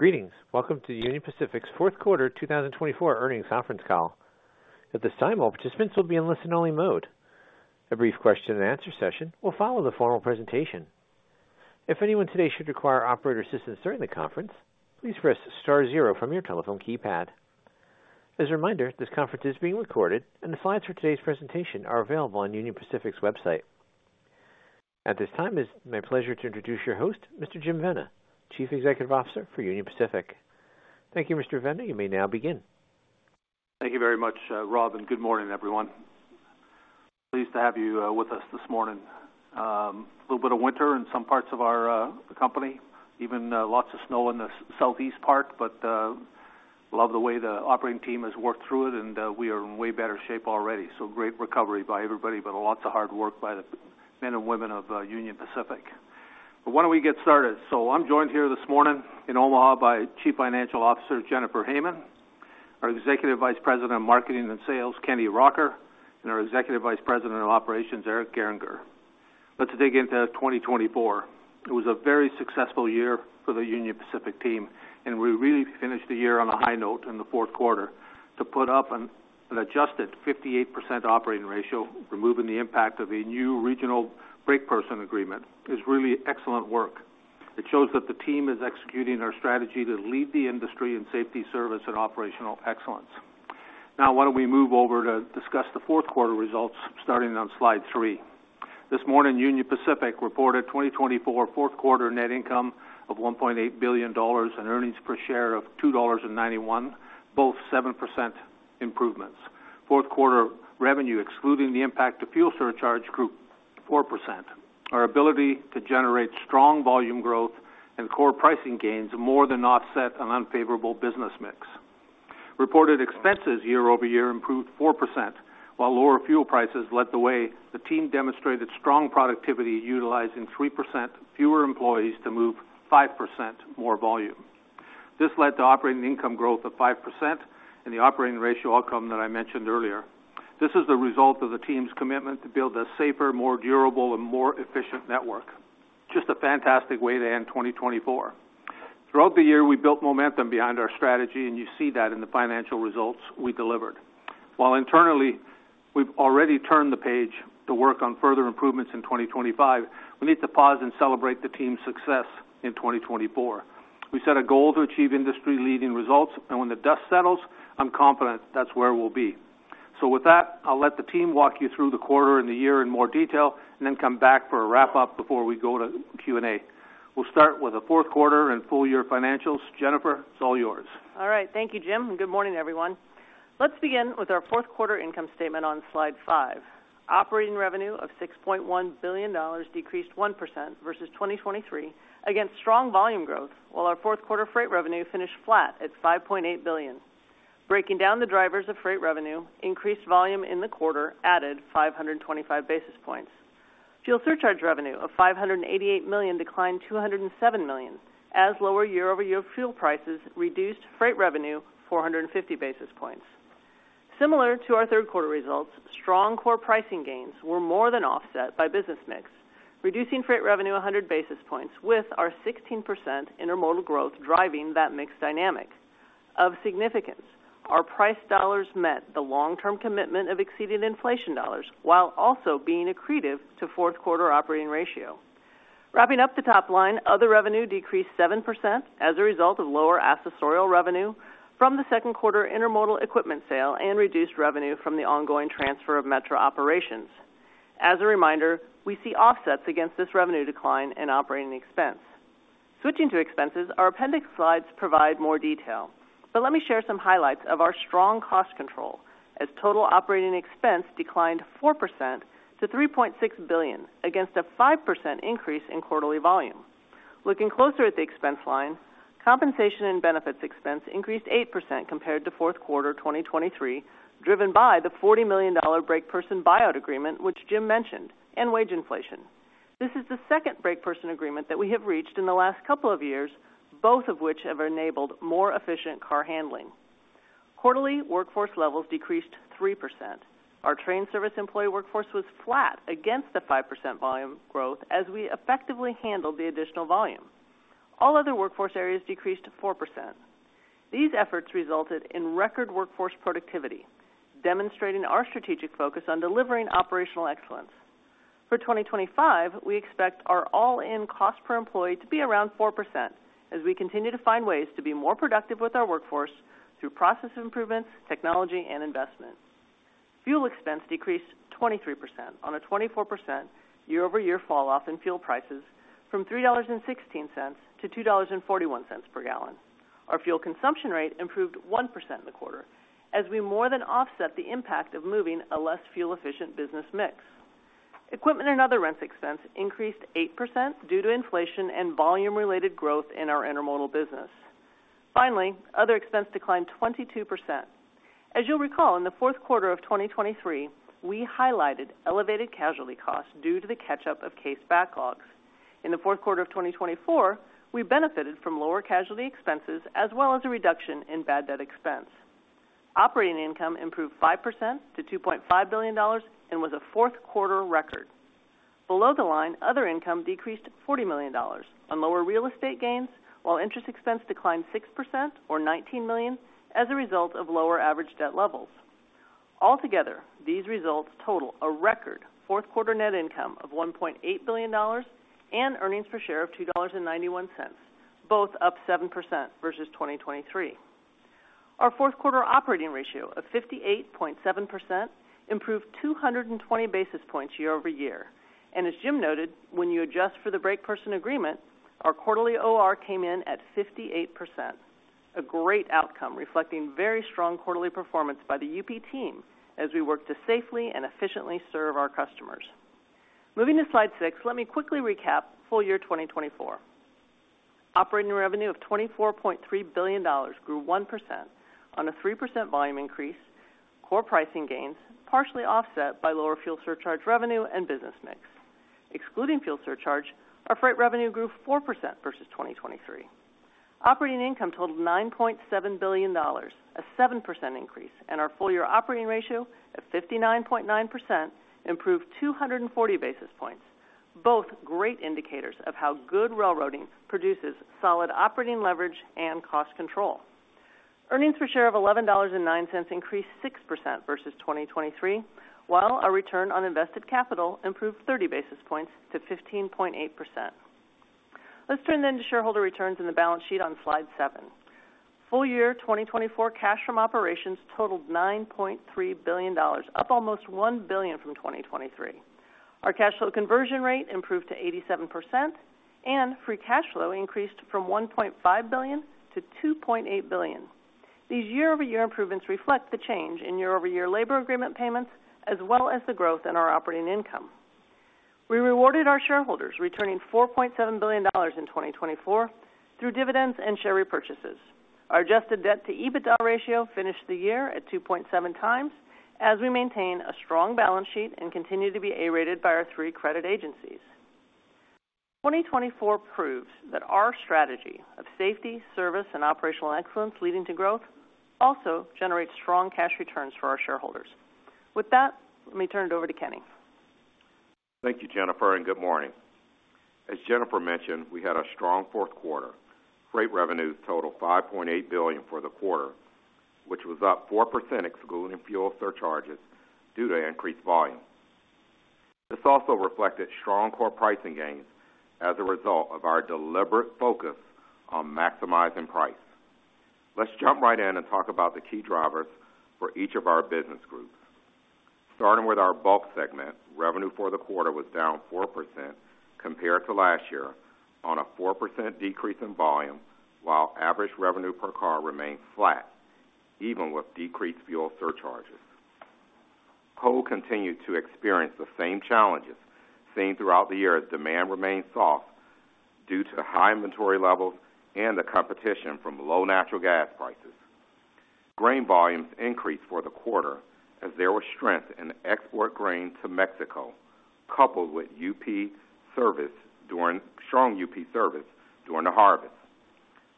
Greetings. Welcome to the Union Pacific's fourth quarter 2024 earnings conference call. At this time, all participants will be in listen-only mode. A brief question-and-answer session will follow the formal presentation. If anyone today should require operator assistance during the conference, please press star zero from your telephone keypad. As a reminder, this conference is being recorded, and the slides for today's presentation are available on Union Pacific's website. At this time, it is my pleasure to introduce your host, Mr. Jim Vena, Chief Executive Officer for Union Pacific. Thank you, Mr. Vena. You may now begin. Thank you very much, Rob, and good morning, everyone. Pleased to have you with us this morning. A little bit of winter in some parts of our company, even lots of snow in the Southeast part, but love the way the operating team has worked through it, and we are in way better shape already, so great recovery by everybody, but lots of hard work by the men and women of Union Pacific, but why don't we get started, so I'm joined here this morning in Omaha by Chief Financial Officer Jennifer Hamann, our Executive Vice President of Marketing and Sales, Kenny Rocker, and our Executive Vice President of Operations, Eric Gehringer. Let's dig into 2024. It was a very successful year for the Union Pacific team, and we really finished the year on a high note in the fourth quarter. To put up an adjusted 58% operating ratio, removing the impact of a new regional brakeperson agreement, is really excellent work. It shows that the team is executing our strategy to lead the industry in safety, service, and operational excellence. Now, why don't we move over to discuss the fourth quarter results, starting on slide three. This morning, Union Pacific reported 2024 fourth quarter net income of $1.8 billion and earnings per share of $2.91, both 7% improvements. Fourth quarter revenue, excluding the impact of fuel surcharge, grew 4%. Our ability to generate strong volume growth and core pricing gains more than offset an unfavorable business mix. Reported expenses year over year improved 4%, while lower fuel prices led the way. The team demonstrated strong productivity, utilizing 3% fewer employees to move 5% more volume. This led to operating income growth of 5% and the operating ratio outcome that I mentioned earlier. This is the result of the team's commitment to build a safer, more durable, and more efficient network. Just a fantastic way to end 2024. Throughout the year, we built momentum behind our strategy, and you see that in the financial results we delivered. While internally, we've already turned the page to work on further improvements in 2025, we need to pause and celebrate the team's success in 2024. We set a goal to achieve industry-leading results, and when the dust settles, I'm confident that's where we'll be. So, with that, I'll let the team walk you through the quarter and the year in more detail, and then come back for a wrap-up before we go to Q&A. We'll start with the fourth quarter and full-year financials. Jennifer, it's all yours. All right. Thank you, Jim. Good morning, everyone. Let's begin with our fourth quarter income statement on slide five. Operating revenue of $6.1 billion decreased 1% versus 2023 against strong volume growth, while our fourth quarter freight revenue finished flat at $5.8 billion. Breaking down the drivers of freight revenue, increased volume in the quarter added 525 basis points. Fuel surcharge revenue of $588 million declined $207 million, as lower year-over-year fuel prices reduced freight revenue 450 basis points. Similar to our third quarter results, strong core pricing gains were more than offset by business mix, reducing freight revenue 100 basis points, with our 16% intermodal growth driving that mix dynamic. Of significance, our price dollars met the long-term commitment of exceeding inflation dollars while also being accretive to fourth quarter operating ratio. Wrapping up the top line, other revenue decreased 7% as a result of lower accessorial revenue from the second quarter intermodal equipment sale and reduced revenue from the ongoing transfer of Metra operations. As a reminder, we see offsets against this revenue decline in operating expense. Switching to expenses, our appendix slides provide more detail, but let me share some highlights of our strong cost control, as total operating expense declined 4% to $3.6 billion against a 5% increase in quarterly volume. Looking closer at the expense line, compensation and benefits expense increased 8% compared to fourth quarter 2023, driven by the $40 million brakeperson buyout agreement, which Jim mentioned, and wage inflation. This is the second brakeperson agreement that we have reached in the last couple of years, both of which have enabled more efficient car handling. Quarterly, workforce levels decreased 3%. Our train service employee workforce was flat against the 5% volume growth as we effectively handled the additional volume. All other workforce areas decreased 4%. These efforts resulted in record workforce productivity, demonstrating our strategic focus on delivering operational excellence. For 2025, we expect our all-in cost per employee to be around 4% as we continue to find ways to be more productive with our workforce through process improvements, technology, and investment. Fuel expense decreased 23% on a 24% year-over-year falloff in fuel prices from $3.16 to $2.41 per gallon. Our fuel consumption rate improved 1% in the quarter as we more than offset the impact of moving a less fuel-efficient business mix. Equipment and other rents expense increased 8% due to inflation and volume-related growth in our intermodal business. Finally, other expense declined 22%. As you'll recall, in the fourth quarter of 2023, we highlighted elevated casualty costs due to the catch-up of case backlogs. In the fourth quarter of 2024, we benefited from lower casualty expenses as well as a reduction in bad debt expense. Operating income improved 5% to $2.5 billion and was a fourth quarter record. Below the line, other income decreased $40 million on lower real estate gains, while interest expense declined 6% or $19 million as a result of lower average debt levels. Altogether, these results total a record fourth quarter net income of $1.8 billion and earnings per share of $2.91, both up 7% versus 2023. Our fourth quarter operating ratio of 58.7% improved 220 basis points year over year, and as Jim noted, when you adjust for the brakeperson agreement, our quarterly OR came in at 58%. A great outcome reflecting very strong quarterly performance by the UP team as we work to safely and efficiently serve our customers. Moving to slide six, let me quickly recap full year 2024. Operating revenue of $24.3 billion grew 1% on a 3% volume increase, core pricing gains partially offset by lower fuel surcharge revenue and business mix. Excluding fuel surcharge, our freight revenue grew 4% versus 2023. Operating income totaled $9.7 billion, a 7% increase, and our full-year operating ratio of 59.9% improved 240 basis points, both great indicators of how good railroading produces solid operating leverage and cost control. Earnings per share of $11.09 increased 6% versus 2023, while our return on invested capital improved 30 basis points to 15.8%. Let's turn then to shareholder returns in the balance sheet on slide seven. Full year 2024 cash from operations totaled $9.3 billion, up almost $1 billion from 2023. Our cash flow conversion rate improved to 87%, and free cash flow increased from $1.5 billion to $2.8 billion. These year-over-year improvements reflect the change in year-over-year labor agreement payments as well as the growth in our operating income. We rewarded our shareholders, returning $4.7 billion in 2024 through dividends and share repurchases. Our adjusted debt to EBITDA ratio finished the year at 2.7 times as we maintain a strong balance sheet and continue to be A-rated by our three credit agencies. 2024 proves that our strategy of safety, service, and operational excellence leading to growth also generates strong cash returns for our shareholders. With that, let me turn it over to Kenny. Thank you, Jennifer, and good morning. As Jennifer mentioned, we had a strong fourth quarter. Freight revenue totaled $5.8 billion for the quarter, which was up 4% excluding fuel surcharges due to increased volume. This also reflected strong core pricing gains as a result of our deliberate focus on maximizing price. Let's jump right in and talk about the key drivers for each of our business groups. starting with our bulk segment, revenue for the quarter was down 4% compared to last year on a 4% decrease in volume, while average revenue per car remained flat, even with decreased fuel surcharges. Coal continued to experience the same challenges seen throughout the year as demand remained soft due to high inventory levels and the competition from low natural gas prices. Grain volumes increased for the quarter as there was strength in export grain to Mexico, coupled with strong UP service during the harvest.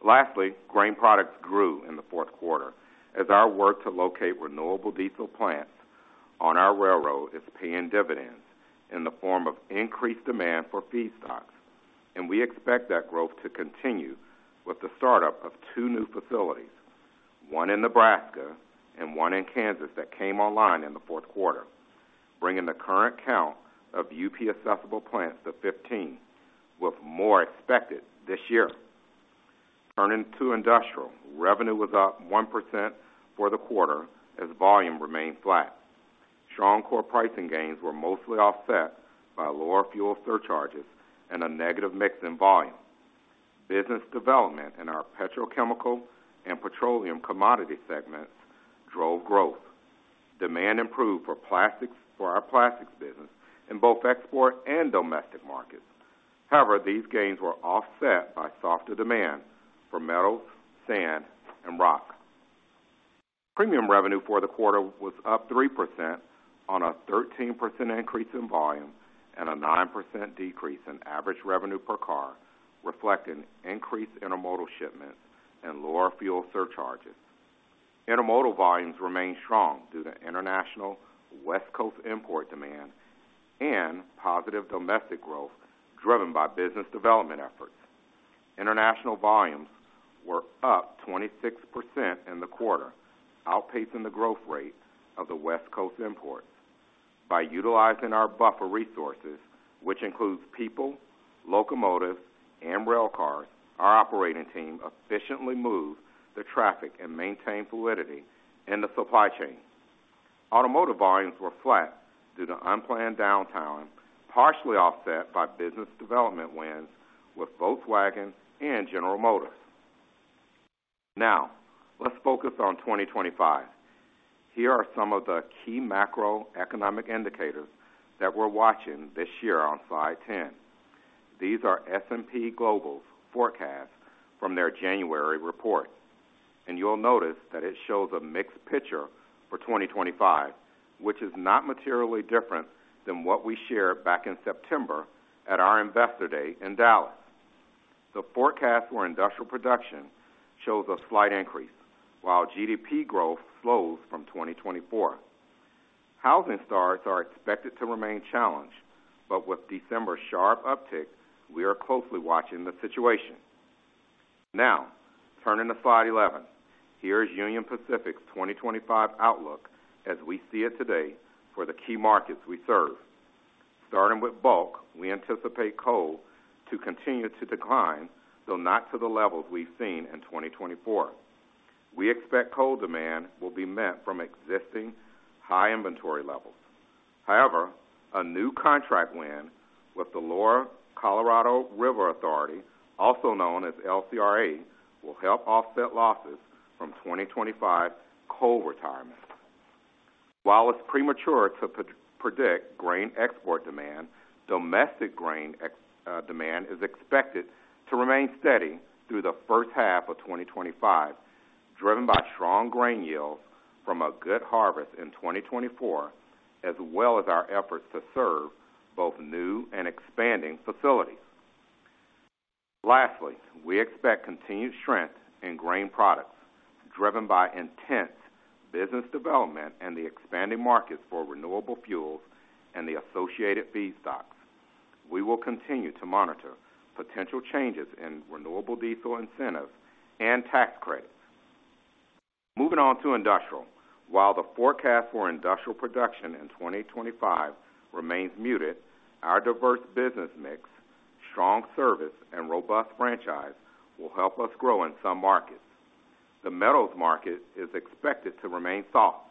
Lastly, grain products grew in the fourth quarter as our work to locate renewable diesel plants on our railroad is paying dividends in the form of increased demand for feedstocks, and we expect that growth to continue with the startup of two new facilities, one in Nebraska and one in Kansas that came online in the fourth quarter, bringing the current count of UP accessible plants to 15, with more expected this year. Turning to industrial, revenue was up 1% for the quarter as volume remained flat. Strong core pricing gains were mostly offset by lower fuel surcharges and a negative mix in volume. Business development in our petrochemical and petroleum commodity segments drove growth. Demand improved for our plastics business in both export and domestic markets. However, these gains were offset by softer demand for metals, sand, and rock. Premium revenue for the quarter was up 3% on a 13% increase in volume and a 9% decrease in average revenue per car, reflecting increased intermodal shipments and lower fuel surcharges. Intermodal volumes remained strong due to international West Coast import demand and positive domestic growth driven by business development efforts. International volumes were up 26% in the quarter, outpacing the growth rate of the West Coast imports. By utilizing our buffer resources, which includes people, locomotives, and rail cars, our operating team efficiently moved the traffic and maintained fluidity in the supply chain. Automotive volumes were flat due to unplanned downtime, partially offset by business development wins with Volkswagen and General Motors. Now, let's focus on 2025. Here are some of the key macroeconomic indicators that we're watching this year on slide 10. These are S&P Global's forecasts from their January report. You'll notice that it shows a mixed picture for 2025, which is not materially different than what we shared back in September at our Investor Day in Dallas. The forecast for industrial production shows a slight increase, while GDP growth slows from 2024. Housing starts are expected to remain challenged, but with December's sharp uptick, we are closely watching the situation. Now, turning to slide 11, here is Union Pacific's 2025 outlook as we see it today for the key markets we serve. starting with bulk, we anticipate coal to continue to decline, though not to the levels we've seen in 2024. We expect coal demand will be met from existing high inventory levels. However, a new contract win with the Lower Colorado River Authority, also known as LCRA, will help offset losses from 2025 coal retirement. While it's premature to predict grain export demand, domestic grain demand is expected to remain steady through the first half of 2025, driven by strong grain yields from a good harvest in 2024, as well as our efforts to serve both new and expanding facilities. Lastly, we expect continued strength in grain products, driven by intense business development and the expanding markets for renewable fuels and the associated feedstocks. We will continue to monitor potential changes in renewable diesel incentives and tax credits. Moving on to industrial. While the forecast for industrial production in 2025 remains muted, our diverse business mix, strong service, and robust franchise will help us grow in some markets. The metals market is expected to remain soft.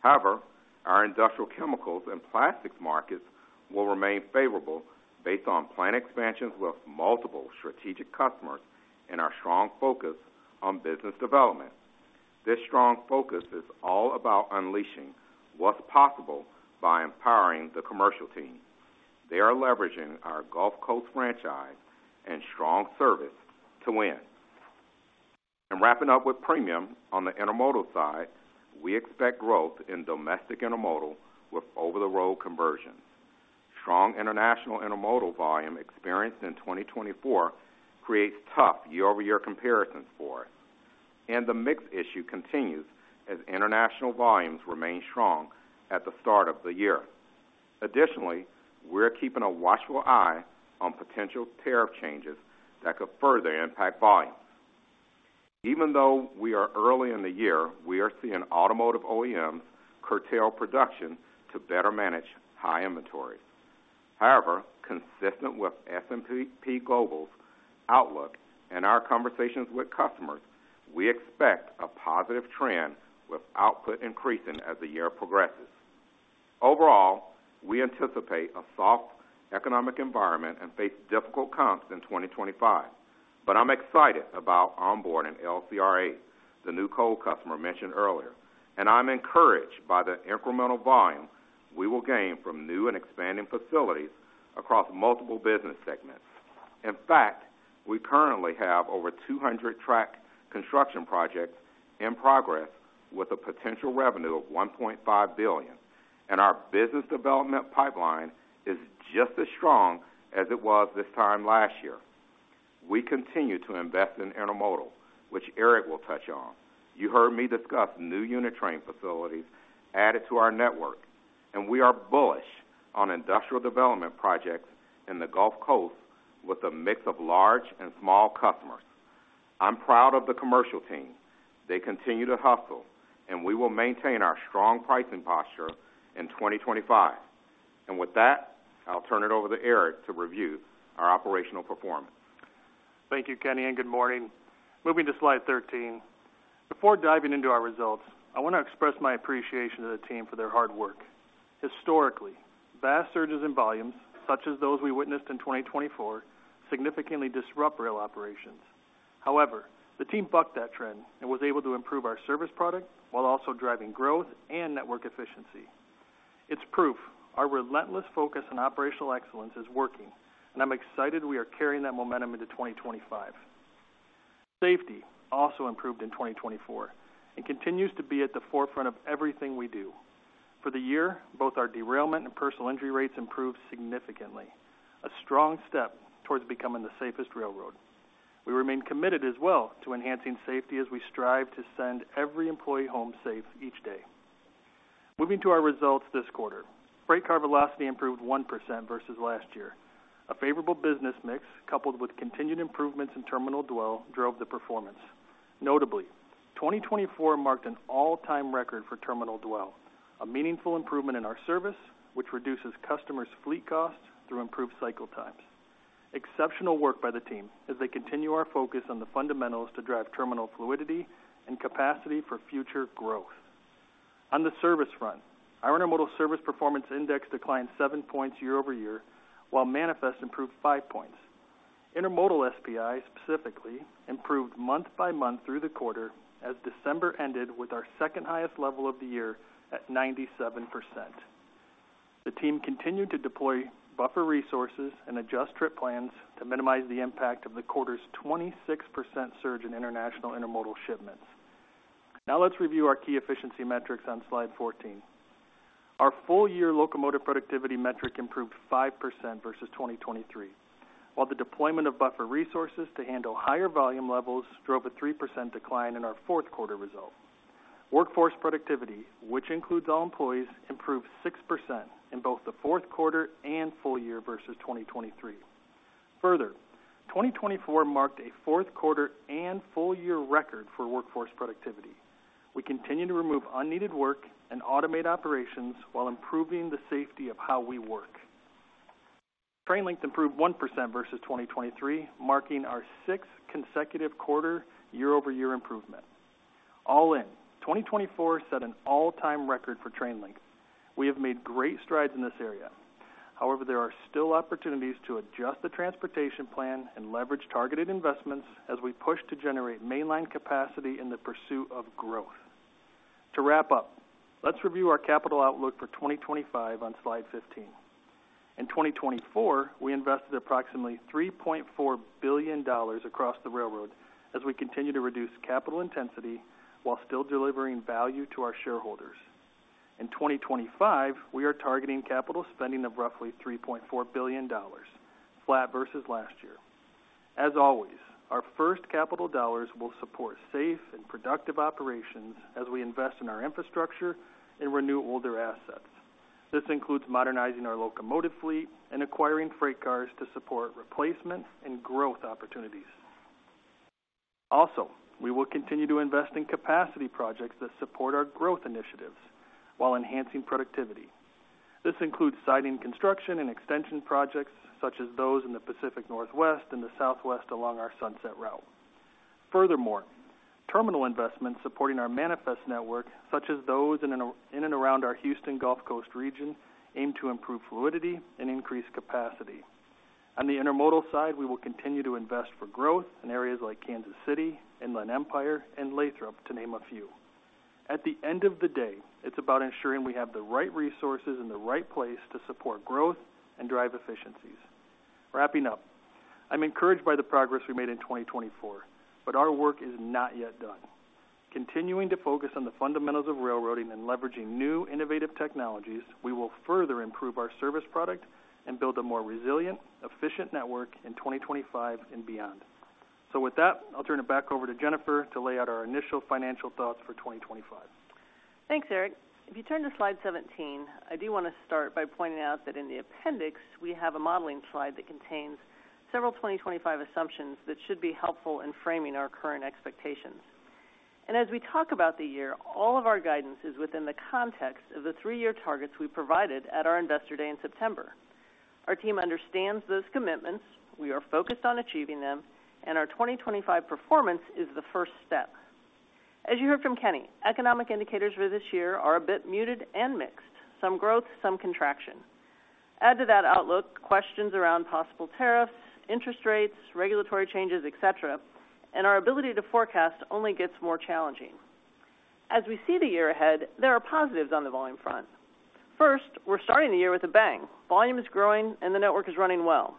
However, our industrial chemicals and plastics markets will remain favorable based on planned expansions with multiple strategic customers and our strong focus on business development. This strong focus is all about unleashing what's possible by empowering the commercial team. They are leveraging our Gulf Coast franchise and strong service to win, and wrapping up with premium on the intermodal side, we expect growth in domestic intermodal with over-the-road conversions. Strong international intermodal volume experienced in 2024 creates tough year-over-year comparisons for us, and the mix issue continues as international volumes remain strong at the start of the year. Additionally, we're keeping a watchful eye on potential tariff changes that could further impact volumes. Even though we are early in the year, we are seeing automotive OEMs curtail production to better manage high inventories. However, consistent with S&P Global's outlook and our conversations with customers, we expect a positive trend with output increasing as the year progresses. Overall, we anticipate a soft economic environment and face difficult comps in 2025. But I'm excited about onboarding LCRA, the new coal customer mentioned earlier. And I'm encouraged by the incremental volume we will gain from new and expanding facilities across multiple business segments. In fact, we currently have over 200 track construction projects in progress with a potential revenue of $1.5 billion. And our business development pipeline is just as strong as it was this time last year. We continue to invest in intermodal, which Eric will touch on. You heard me discuss new unit train facilities added to our network. And we are bullish on industrial development projects in the Gulf Coast with a mix of large and small customers. I'm proud of the commercial team. They continue to hustle, and we will maintain our strong pricing posture in 2025. And with that, I'll turn it over to Eric to review our operational performance. Thank you, Kenny, and good morning. Moving to slide 13. Before diving into our results, I want to express my appreciation to the team for their hard work. Historically, vast surges in volumes, such as those we witnessed in 2024, significantly disrupt rail operations. However, the team bucked that trend and was able to improve our service product while also driving growth and network efficiency. It's proof our relentless focus on operational excellence is working, and I'm excited we are carrying that momentum into 2025. Safety also improved in 2024 and continues to be at the forefront of everything we do. For the year, both our derailment and personal injury rates improved significantly, a strong step towards becoming the safest railroad. We remain committed as well to enhancing safety as we strive to send every employee home safe each day. Moving to our results this quarter, freight car velocity improved 1% versus last year. A favorable business mix coupled with continued improvements in terminal dwell drove the performance. Notably, 2024 marked an all-time record for terminal dwell, a meaningful improvement in our service, which reduces customers' fleet costs through improved cycle times. Exceptional work by the team as they continue our focus on the fundamentals to drive terminal fluidity and capacity for future growth. On the service front, our Intermodal Service Performance Index declined 7 points year-over-year, while manifest improved 5 points. Intermodal SPI specifically improved month by month through the quarter as December ended with our second-highest level of the year at 97%. The team continued to deploy buffer resources and adjust trip plans to minimize the impact of the quarter's 26% surge in international intermodal shipments. Now let's review our key efficiency metrics on slide 14. Our full-year locomotive productivity metric improved 5% versus 2023, while the deployment of buffer resources to handle higher volume levels drove a 3% decline in our fourth quarter result. Workforce productivity, which includes all employees, improved 6% in both the fourth quarter and full year versus 2023. Further, 2024 marked a fourth quarter and full year record for workforce productivity. We continue to remove unneeded work and automate operations while improving the safety of how we work. Train length improved 1% versus 2023, marking our sixth consecutive quarter year-over-year improvement. All in, 2024 set an all-time record for train length. We have made great strides in this area. However, there are still opportunities to adjust the transportation plan and leverage targeted investments as we push to generate mainline capacity in the pursuit of growth. To wrap up, let's review our capital outlook for 2025 on slide 15. In 2024, we invested approximately $3.4 billion across the railroad as we continue to reduce capital intensity while still delivering value to our shareholders. In 2025, we are targeting capital spending of roughly $3.4 billion, flat versus last year. As always, our first capital dollars will support safe and productive operations as we invest in our infrastructure and renew older assets. This includes modernizing our locomotive fleet and acquiring freight cars to support replacement and growth opportunities. Also, we will continue to invest in capacity projects that support our growth initiatives while enhancing productivity. This includes siding construction and extension projects such as those in the Pacific Northwest and the Southwest along our Sunset Route. Furthermore, terminal investments supporting our manifest network, such as those in and around our Houston Gulf Coast region, aim to improve fluidity and increase capacity. On the intermodal side, we will continue to invest for growth in areas like Kansas City, Inland Empire, and Lathrop, to name a few. At the end of the day, it's about ensuring we have the right resources in the right place to support growth and drive efficiencies. Wrapping up, I'm encouraged by the progress we made in 2024, but our work is not yet done. Continuing to focus on the fundamentals of railroading and leveraging new innovative technologies, we will further improve our service product and build a more resilient, efficient network in 2025 and beyond. So with that, I'll turn it back over to Jennifer to lay out our initial financial thoughts for 2025. Thanks, Eric. If you turn to slide 17, I do want to start by pointing out that in the appendix, we have a modeling slide that contains several 2025 assumptions that should be helpful in framing our current expectations, and as we talk about the year, all of our guidance is within the context of the three-year targets we provided at our investor day in September. Our team understands those commitments. We are focused on achieving them, and our 2025 performance is the first step. As you heard from Kenny, economic indicators for this year are a bit muted and mixed, some growth, some contraction. Add to that outlook questions around possible tariffs, interest rates, regulatory changes, etc., and our ability to forecast only gets more challenging. As we see the year ahead, there are positives on the volume front. First, we're starting the year with a bang. Volume is growing, and the network is running well.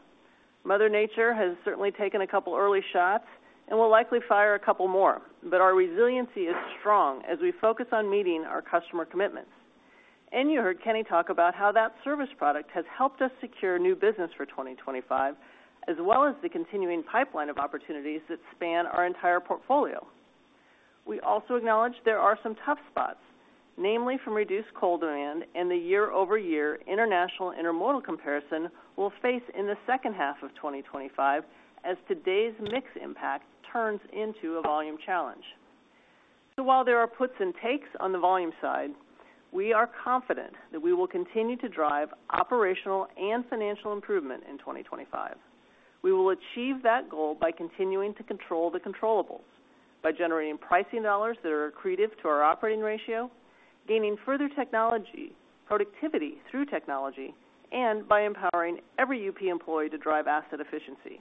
Mother Nature has certainly taken a couple early shots and will likely fire a couple more, but our resiliency is strong as we focus on meeting our customer commitments, and you heard Kenny talk about how that service product has helped us secure new business for 2025, as well as the continuing pipeline of opportunities that span our entire portfolio. We also acknowledge there are some tough spots, namely from reduced coal demand and the year-over-year international intermodal comparison we'll face in the second half of 2025 as today's mixed impact turns into a volume challenge, so while there are puts and takes on the volume side, we are confident that we will continue to drive operational and financial improvement in 2025. We will achieve that goal by continuing to control the controllables, by generating pricing dollars that are accretive to our operating ratio, gaining further technology, productivity through technology, and by empowering every UP employee to drive asset efficiency.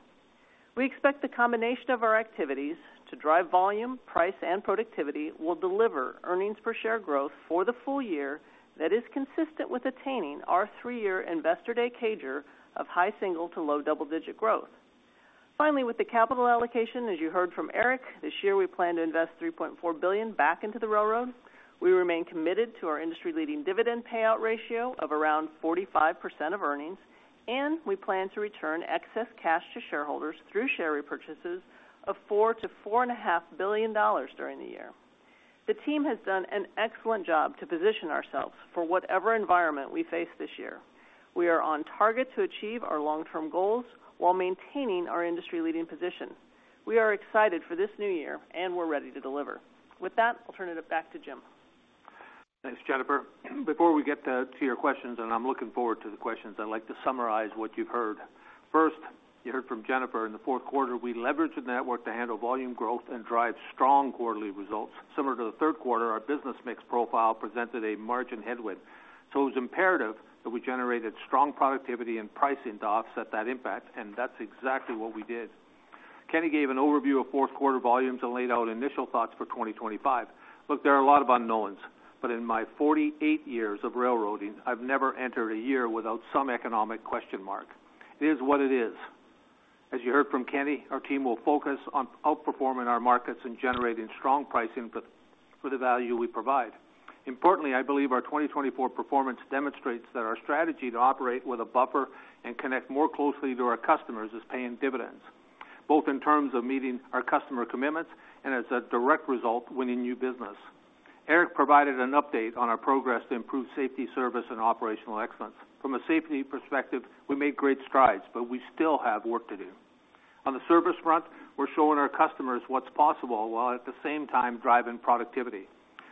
We expect the combination of our activities to drive volume, price, and productivity will deliver earnings per share growth for the full year that is consistent with attaining our three-year investor day target of high single-digit to low double-digit growth. Finally, with the capital allocation, as you heard from Eric, this year we plan to invest $3.4 billion back into the railroad. We remain committed to our industry-leading dividend payout ratio of around 45% of earnings, and we plan to return excess cash to shareholders through share repurchases of $4-$4.5 billion during the year. The team has done an excellent job to position ourselves for whatever environment we face this year. We are on target to achieve our long-term goals while maintaining our industry-leading position. We are excited for this new year, and we're ready to deliver. With that, I'll turn it back to Jim. Thanks, Jennifer. Before we get to your questions, and I'm looking forward to the questions, I'd like to summarize what you've heard. First, you heard from Jennifer in the fourth quarter. We leveraged the network to handle volume growth and drive strong quarterly results. Similar to the third quarter, our business mix profile presented a margin headwind. So it was imperative that we generated strong productivity and pricing to offset that impact, and that's exactly what we did. Kenny gave an overview of fourth quarter volumes and laid out initial thoughts for 2025. Look, there are a lot of unknowns, but in my 48 years of railroading, I've never entered a year without some economic question mark. It is what it is. As you heard from Kenny, our team will focus on outperforming our markets and generating strong pricing for the value we provide. Importantly, I believe our 2024 performance demonstrates that our strategy to operate with a buffer and connect more closely to our customers is paying dividends, both in terms of meeting our customer commitments and as a direct result, winning new business. Eric provided an update on our progress to improve safety, service, and operational excellence. From a safety perspective, we made great strides, but we still have work to do. On the service front, we're showing our customers what's possible while at the same time driving productivity.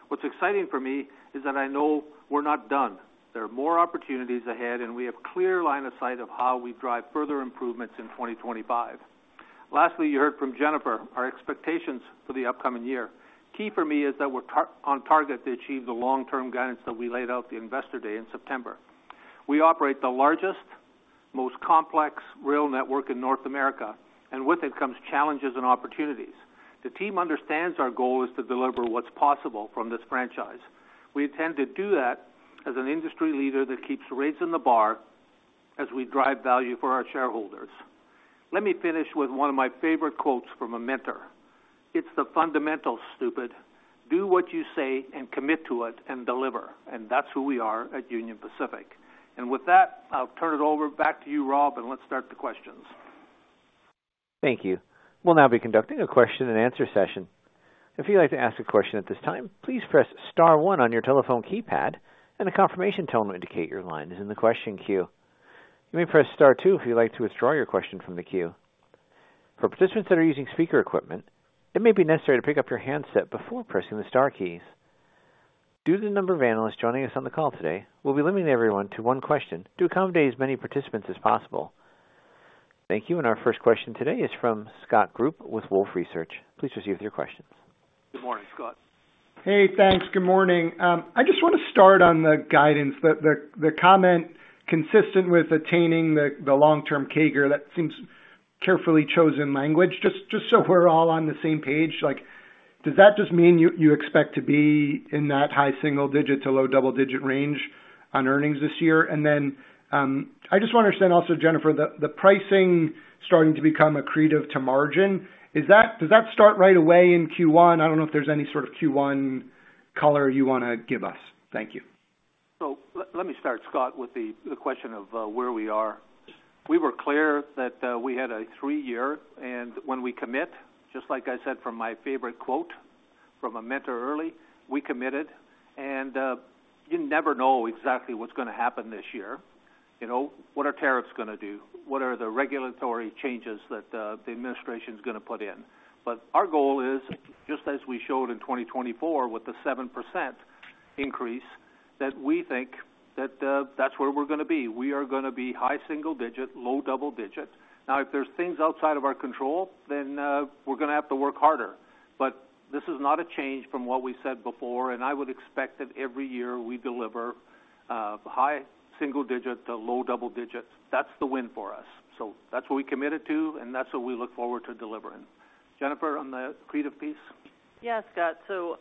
What's exciting for me is that I know we're not done. There are more opportunities ahead, and we have a clear line of sight of how we drive further improvements in 2025. Lastly, you heard from Jennifer. Our expectations for the upcoming year. Key for me is that we're on target to achieve the long-term guidance that we laid out at the Investor Day in September. We operate the largest, most complex rail network in North America, and with it comes challenges and opportunities. The team understands our goal is to deliver what's possible from this franchise. We intend to do that as an industry leader that keeps raising the bar as we drive value for our shareholders. Let me finish with one of my favorite quotes from a mentor. It's the fundamentals, stupid. Do what you say and commit to it and deliver, and that's who we are at Union Pacific. With that, I'll turn it back over to you, Rob, and let's start the questions. Thank you. We'll now be conducting a question and answer session. If you'd like to ask a question at this time, please press star 1 on your telephone keypad, and a confirmation tone will indicate your line is in the question queue. You may press star 2 if you'd like to withdraw your question from the queue. For participants that are using speaker equipment, it may be necessary to pick up your handset before pressing the star keys. Due to the number of analysts joining us on the call today, we'll be limiting everyone to one question to accommodate as many participants as possible. Thank you. And our first question today is from Scott Group with Wolfe Research. Please proceed with your questions. Good morning, Scott. Hey, thanks. Good morning. I just want to start on the guidance, the comment consistent with attaining the long-term CAGR. That seems carefully chosen language. Just so we're all on the same page, does that just mean you expect to be in that high single-digit to low double-digit range on earnings this year? And then I just want to understand also, Jennifer, the pricing starting to become accretive to margin. Does that start right away in Q1? I don't know if there's any sort of Q1 color you want to give us. Thank you. Let me start, Scott, with the question of where we are. We were clear that we had a three-year, and when we commit, just like I said from my favorite quote from a mentor early, we committed. You never know exactly what's going to happen this year. What are tariffs going to do? What are the regulatory changes that the administration is going to put in? Our goal is, just as we showed in 2024 with the 7% increase, that we think that that's where we're going to be. We are going to be high single-digit, low double-digit. Now, if there's things outside of our control, then we're going to have to work harder. This is not a change from what we said before, and I would expect that every year we deliver high single-digit to low double-digit. That's the win for us. So that's what we committed to, and that's what we look forward to delivering. Jennifer, on the accretive piece? Yeah, Scott, so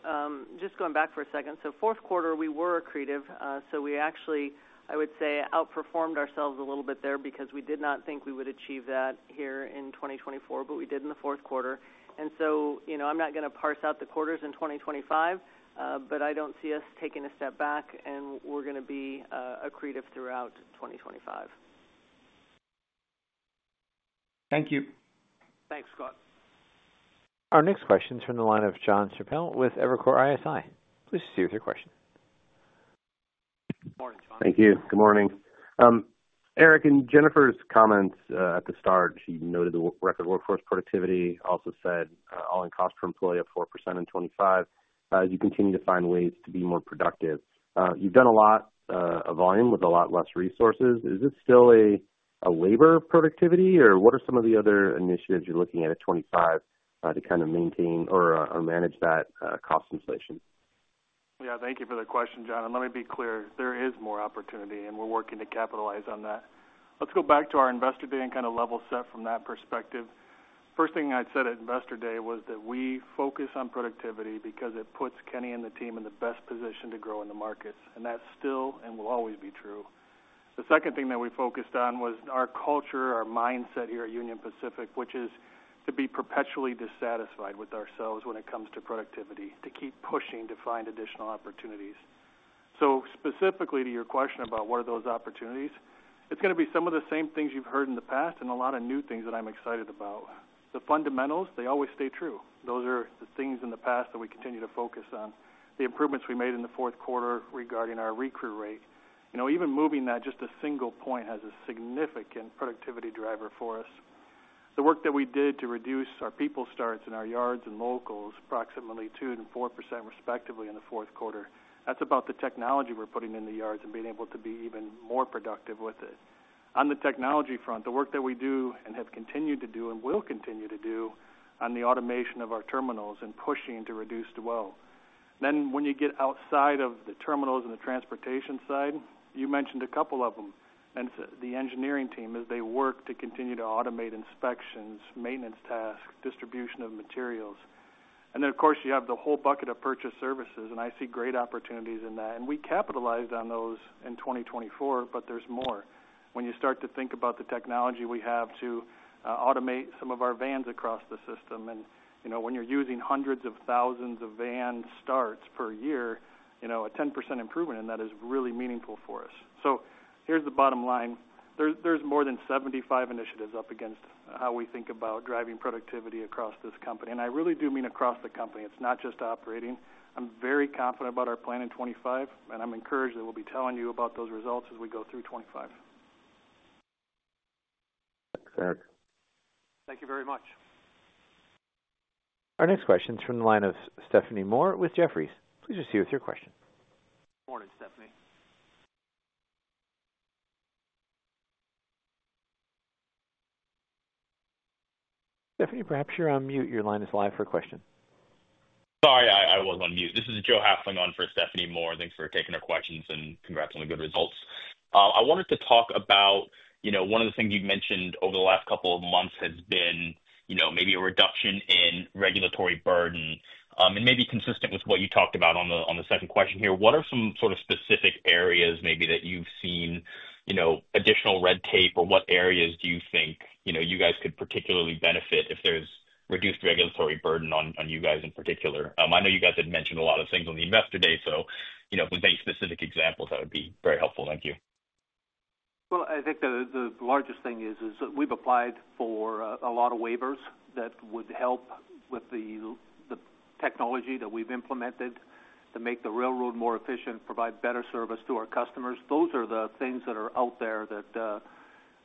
just going back for a second, so fourth quarter, we were accretive. So we actually, I would say, outperformed ourselves a little bit there because we did not think we would achieve that here in 2024, but we did in the fourth quarter, and so I'm not going to parse out the quarters in 2025, but I don't see us taking a step back, and we're going to be accretive throughout 2025. Thank you. Thanks, Scott. Our next question is from the line of John Chappell with Evercore ISI. Please proceed with your question. Thank you. Good morning. Eric and Jennifer's comments at the start, she noted the record workforce productivity, also said all-in cost per employee of 4% in 2025 as you continue to find ways to be more productive. You've done a lot of volume with a lot less resources. Is this still a labor productivity, or what are some of the other initiatives you're looking at at 2025 to kind of maintain or manage that cost inflation? Yeah, thank you for the question, John. And let me be clear, there is more opportunity, and we're working to capitalize on that. Let's go back to our investor day and kind of level set from that perspective. First thing I'd said at investor day was that we focus on productivity because it puts Kenny and the team in the best position to grow in the markets. And that's still and will always be true. The second thing that we focused on was our culture, our mindset here at Union Pacific, which is to be perpetually dissatisfied with ourselves when it comes to productivity, to keep pushing to find additional opportunities. So specifically to your question about what are those opportunities, it's going to be some of the same things you've heard in the past and a lot of new things that I'm excited about. The fundamentals, they always stay true. Those are the things in the past that we continue to focus on. The improvements we made in the fourth quarter regarding our recrew rate, even moving that just a single point, has a significant productivity driver for us. The work that we did to reduce our people starts in our yards and locals approximately 2% and 4% respectively in the fourth quarter. That's about the technology we're putting in the yards and being able to be even more productive with it. On the technology front, the work that we do and have continued to do and will continue to do on the automation of our terminals and pushing to reduce dwell. Then when you get outside of the terminals and the transportation side, you mentioned a couple of them. And the engineering team as they work to continue to automate inspections, maintenance tasks, distribution of materials. And then, of course, you have the whole bucket of purchased services, and I see great opportunities in that. And we capitalized on those in 2024, but there's more. When you start to think about the technology we have to automate some of our vans across the system, and when you're using hundreds of thousands of van starts per year, a 10% improvement in that is really meaningful for us. So here's the bottom line. There's more than 75 initiatives up against how we think about driving productivity across this company. And I really do mean across the company. It's not just operating. I'm very confident about our plan in 2025, and I'm encouraged that we'll be telling you about those results as we go through 2025. Thanks, Eric. Thank you very much. Our next question is from the line of Stephanie Moore with Jefferies. Please proceed with your question. Good morning, Stephanie. Stephanie, perhaps you're on mute. Your line is live for a question. Sorry, I was on mute. This is Joe Hafling on for Stephanie Moore. Thanks for taking our questions and congrats on the good results. I wanted to talk about one of the things you've mentioned over the last couple of months has been maybe a reduction in regulatory burden. And maybe consistent with what you talked about on the second question here, what are some sort of specific areas maybe that you've seen additional red tape or what areas do you think you guys could particularly benefit if there's reduced regulatory burden on you guys in particular? I know you guys had mentioned a lot of things on the Investor Day, so if we can take specific examples, that would be very helpful. Thank you. I think the largest thing is we've applied for a lot of waivers that would help with the technology that we've implemented to make the railroad more efficient, provide better service to our customers. Those are the things that are out there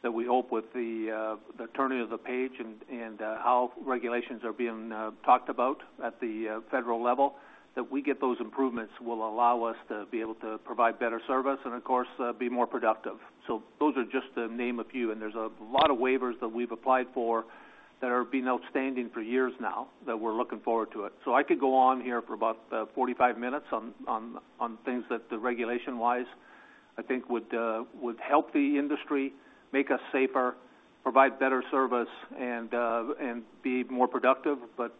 that we hope with the turning of the page and how regulations are being talked about at the federal level, that we get those improvements will allow us to be able to provide better service and, of course, be more productive. Those are just to name a few. And there's a lot of waivers that we've applied for that are being outstanding for years now that we're looking forward to it. I could go on here for about 45 minutes on things that the regulation-wise, I think, would help the industry, make us safer, provide better service, and be more productive. But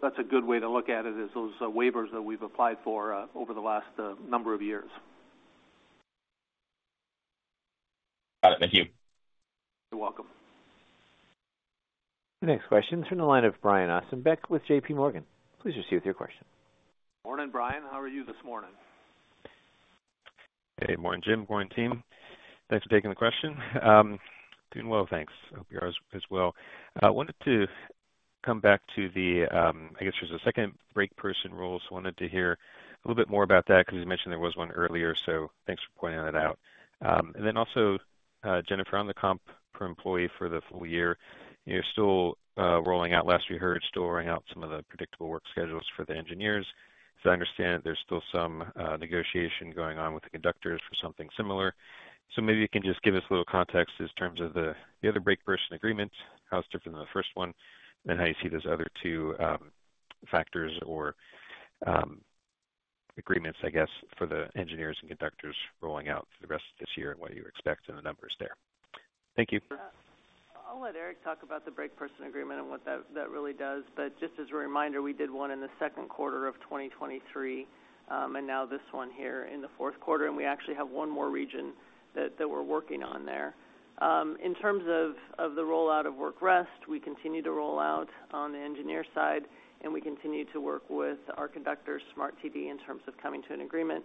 that's a good way to look at it, is those waivers that we've applied for over the last number of years. Got it. Thank you. You're welcome. Next question is from the line of Brian Ossenbeck with JPMorgan. Please proceed with your question. Morning, Brian. How are you this morning? Hey, morning, Jim. Morning, team. Thanks for taking the question. Doing well, thanks. Hope you're as well. I wanted to come back to the, I guess, there's a second brakeperson rule, so I wanted to hear a little bit more about that because you mentioned there was one earlier, so thanks for pointing that out. And then also, Jennifer, on the comp per employee for the full year, you're still rolling out, last we heard, still rolling out some of the predictable work schedules for the engineers. As I understand it, there's still some negotiation going on with the conductors for something similar. So maybe you can just give us a little context in terms of the other brakeperson agreement, how it's different than the first one, and how you see those other two factors or agreements, I guess, for the engineers and conductors rolling out for the rest of this year and what you expect in the numbers there? Thank you. I'll let Eric talk about the brakeperson agreement and what that really does. But just as a reminder, we did one in the second quarter of 2023, and now this one here in the fourth quarter. We actually have one more region that we're working on there. In terms of the rollout of work rest, we continue to roll out on the engineer side, and we continue to work with our conductors, SMART-TD, in terms of coming to an agreement.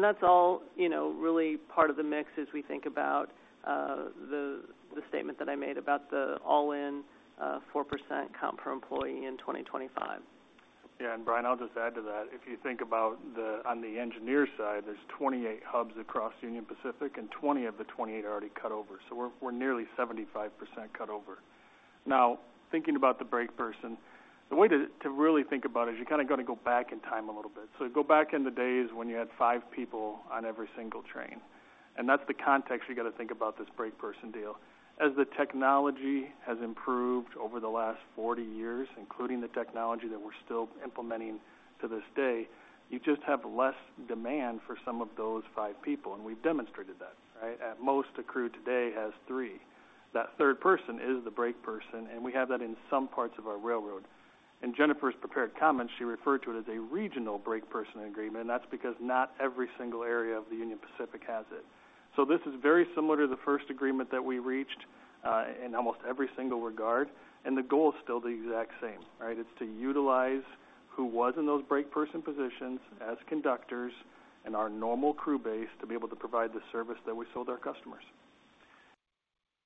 That's all really part of the mix as we think about the statement that I made about the all-in 4% comp per employee in 2025. Yeah. And Brian, I'll just add to that. If you think about on the engineer side, there's 28 hubs across Union Pacific, and 20 of the 28 are already cut over. So we're nearly 75% cut over. Now, thinking about the brakeperson, the way to really think about it is you're kind of going to go back in time a little bit. So go back in the days when you had five people on every single train. And that's the context you got to think about this brakeperson deal. As the technology has improved over the last 40 years, including the technology that we're still implementing to this day, you just have less demand for some of those five people. And we've demonstrated that, right? Most crews today has three. That third person is the brakeperson, and we have that in some parts of our railroad. In Jennifer's prepared comments, she referred to it as a regional brakeperson agreement, and that's because not every single area of the Union Pacific has it, so this is very similar to the first agreement that we reached in almost every single regard, and the goal is still the exact same, right? It's to utilize who was in those brakeperson positions as conductors and our normal crew base to be able to provide the service that we sold our customers.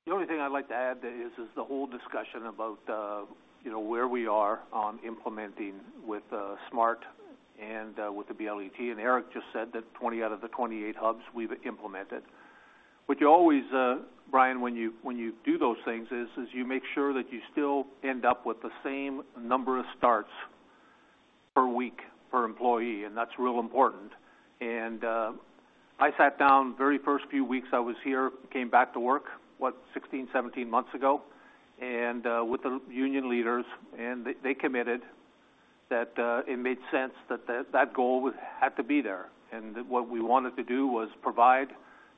The only thing I'd like to add is the whole discussion about where we are on implementing with SMART and with the BLET, and Eric just said that 20 out of the 28 hubs we've implemented, but you always, Brian, when you do those things, is you make sure that you still end up with the same number of starts per week per employee, and that's real important. I sat down very first few weeks I was here, came back to work, what, 16, 17 months ago, and with the union leaders. They committed that it made sense that that goal had to be there. What we wanted to do was provide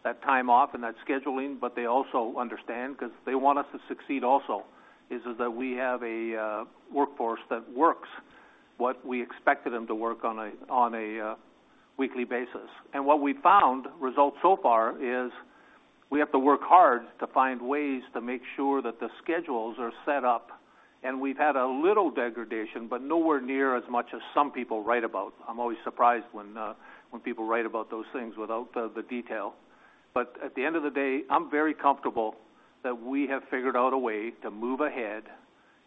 that time off and that scheduling, but they also understand because they want us to succeed also is that we have a workforce that works what we expected them to work on a weekly basis. What we found results so far is we have to work hard to find ways to make sure that the schedules are set up. We've had a little degradation, but nowhere near as much as some people write about. I'm always surprised when people write about those things without the detail. But at the end of the day, I'm very comfortable that we have figured out a way to move ahead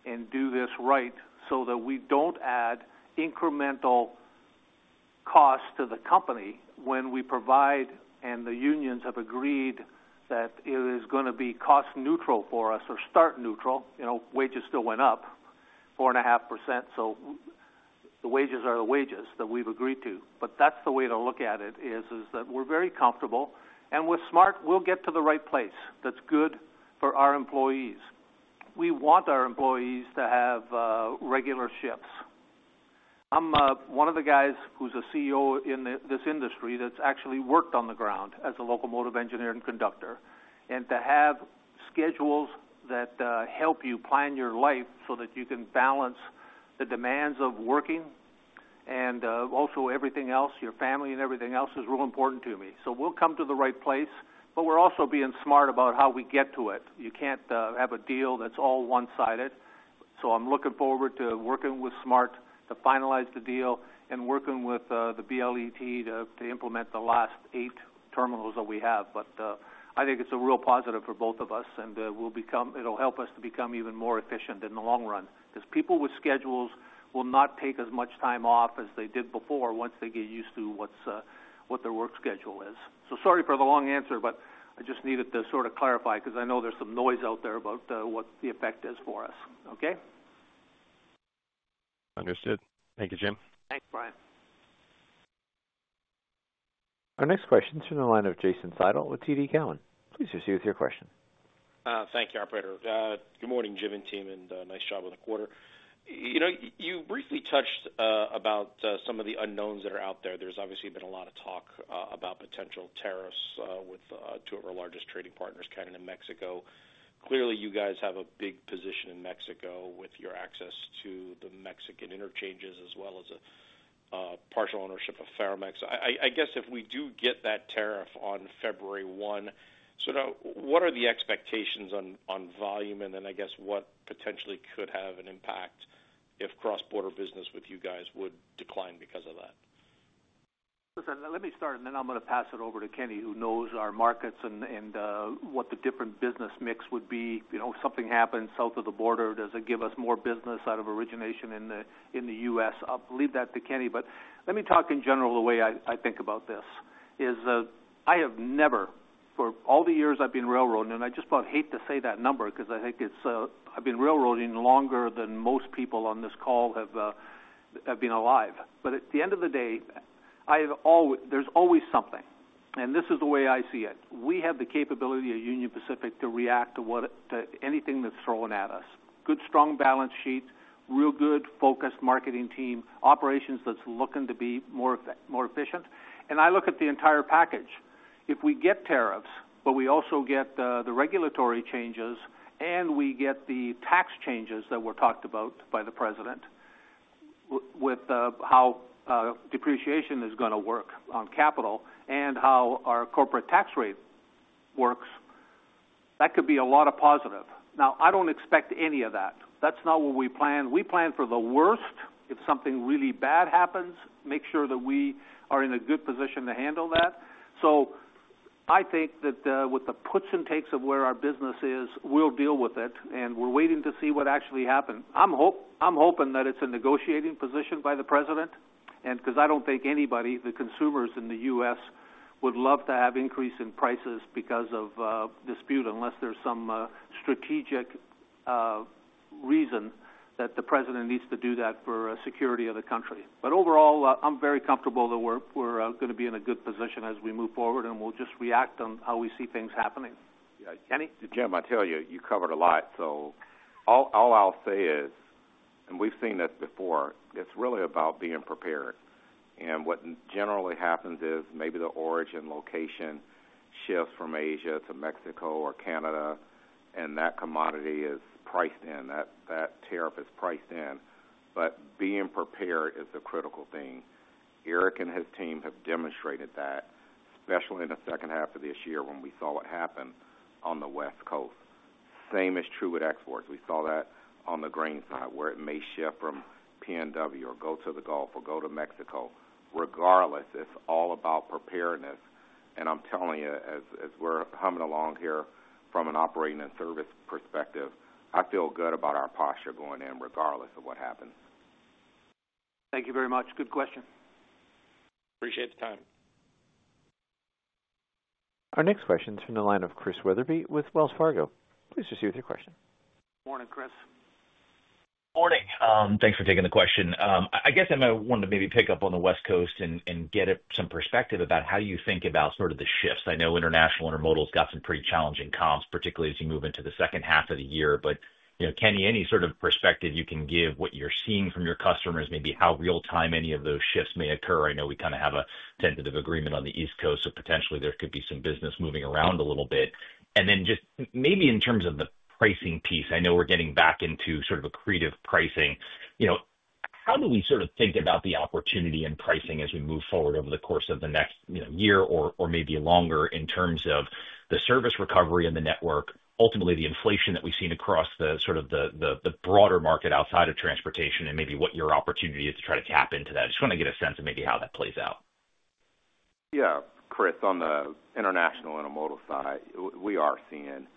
and do this right so that we don't add incremental cost to the company when we provide and the unions have agreed that it is going to be cost neutral for us or start neutral. Wages still went up 4.5%, so the wages are the wages that we've agreed to. But that's the way to look at it is that we're very comfortable. And with SMART, we'll get to the right place that's good for our employees. We want our employees to have regular shifts. I'm one of the guys who's a CEO in this industry that's actually worked on the ground as a locomotive engineer and conductor. And to have schedules that help you plan your life so that you can balance the demands of working and also everything else, your family and everything else is real important to me. So we'll come to the right place, but we're also being smart about how we get to it. You can't have a deal that's all one-sided. So I'm looking forward to working with SMART to finalize the deal and working with the BLET to implement the last eight tentatives that we have. But I think it's a real positive for both of us, and it'll help us to become even more efficient in the long run because people with schedules will not take as much time off as they did before once they get used to what their work schedule is. So sorry for the long answer, but I just needed to sort of clarify because I know there's some noise out there about what the effect is for us. Okay? Understood. Thank you, Jim. Thanks, Brian. Our next question is from the line of Jason Seidl with TD Cowen. Please proceed with your question. Thank you, Operator. Good morning, Jim and team, and nice job with the quarter. You briefly touched about some of the unknowns that are out there. There's obviously been a lot of talk about potential tariffs with two of our largest trading partners, Canada and Mexico. Clearly, you guys have a big position in Mexico with your access to the Mexican interchanges as well as a partial ownership of Ferromex. I guess if we do get that tariff on February 1, sort of what are the expectations on volume? And then I guess what potentially could have an impact if cross-border business with you guys would decline because of that? Listen, let me start, and then I'm going to pass it over to Kenny, who knows our markets and what the different business mix would be. If something happens south of the border, does it give us more business out of origination in the U.S.? I'll leave that to Kenny. But let me talk in general the way I think about this is I have never, for all the years I've been railroading, and I just about hate to say that number because I think I've been railroading longer than most people on this call have been alive. But at the end of the day, there's always something. And this is the way I see it. We have the capability at Union Pacific to react to anything that's thrown at us. Good, strong balance sheet, real good focused marketing team, operations that's looking to be more efficient. And I look at the entire package. If we get tariffs, but we also get the regulatory changes and we get the tax changes that were talked about by the president with how depreciation is going to work on capital and how our corporate tax rate works, that could be a lot of positive. Now, I don't expect any of that. That's not what we plan. We plan for the worst. If something really bad happens, make sure that we are in a good position to handle that. So I think that with the puts and takes of where our business is, we'll deal with it. And we're waiting to see what actually happens. I'm hoping that it's a negotiating position by the president because I don't think anybody, the consumers in the U.S., would love to have increase in prices because of dispute unless there's some strategic reason that the president needs to do that for security of the country. But overall, I'm very comfortable that we're going to be in a good position as we move forward, and we'll just react on how we see things happening. Kenny? Jim, I tell you, you covered a lot. So all I'll say is, and we've seen this before, it's really about being prepared. And what generally happens is maybe the origin location shifts from Asia to Mexico or Canada, and that commodity is priced in. That tariff is priced in. But being prepared is the critical thing. Eric and his team have demonstrated that, especially in the second half of this year when we saw it happen on the West Coast. Same is true with exports. We saw that on the grain side where it may shift from PNW or go to the Gulf or go to Mexico. Regardless, it's all about preparedness. And I'm telling you, as we're humming along here from an operating and service perspective, I feel good about our posture going in regardless of what happens. Thank you very much. Good question. Appreciate the time. Our next question is from the line of Chris Wetherbee with Wells Fargo. Please proceed with your question. Morning, Chris. Morning. Thanks for taking the question. I guess I wanted to maybe pick up on the West Coast and get some perspective about how you think about sort of the shifts. I know International Intermodal has got some pretty challenging comps, particularly as you move into the second half of the year. But Kenny, any sort of perspective you can give what you're seeing from your customers, maybe how real-time any of those shifts may occur? I know we kind of have a tentative agreement on the East Coast, so potentially there could be some business moving around a little bit. And then just maybe in terms of the pricing piece, I know we're getting back into sort of accretive pricing. How do we sort of think about the opportunity in pricing as we move forward over the course of the next year or maybe longer in terms of the service recovery and the network, ultimately the inflation that we've seen across sort of the broader market outside of transportation and maybe what your opportunity is to try to tap into that? Just want to get a sense of maybe how that plays out. Yeah. Chris, on the International Intermodal side, we are seeing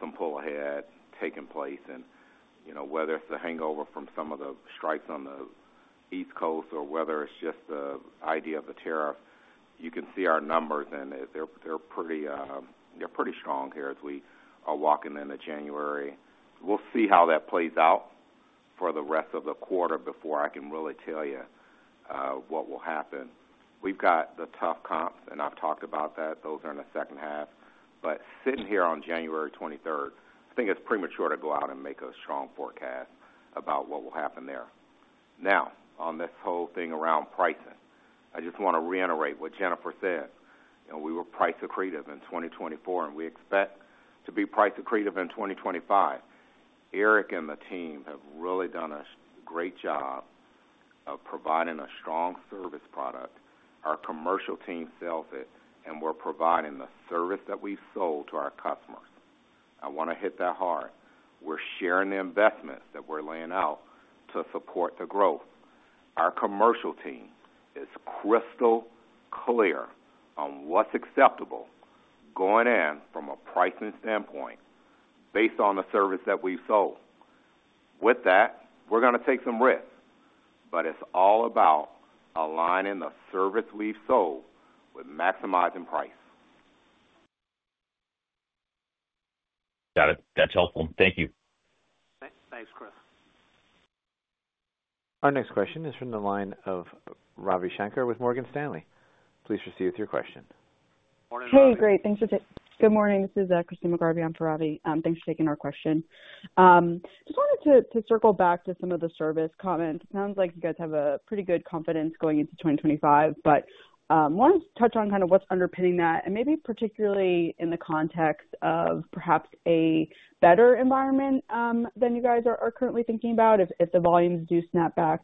some pull ahead taking place, and whether it's the hangover from some of the strikes on the East Coast or whether it's just the idea of the tariff, you can see our numbers, and they're pretty strong here as we are walking into January. We'll see how that plays out for the rest of the quarter before I can really tell you what will happen. We've got the tough comps, and I've talked about that. Those are in the second half, but sitting here on January 23rd, I think it's premature to go out and make a strong forecast about what will happen there. Now, on this whole thing around pricing, I just want to reiterate what Jennifer said. We were price accretive in 2024, and we expect to be price accretive in 2025. Eric and the team have really done a great job of providing a strong service product. Our commercial team sells it, and we're providing the service that we've sold to our customers. I want to hit that hard. We're sharing the investments that we're laying out to support the growth. Our commercial team is crystal clear on what's acceptable going in from a pricing standpoint based on the service that we've sold. With that, we're going to take some risk, but it's all about aligning the service we've sold with maximizing price. Got it. That's helpful. Thank you. Thanks, Chris. Our next question is from the line of Ravi Shankar with Morgan Stanley. Please proceed with your question. Hey, great. Thanks. Good morning. This is Christyne McGarvey. I'm for Ravi. Thanks for taking our question. Just wanted to circle back to some of the service comments. It sounds like you guys have a pretty good confidence going into 2025, but I want to touch on kind of what's underpinning that and maybe particularly in the context of perhaps a better environment than you guys are currently thinking about. If the volumes do snap back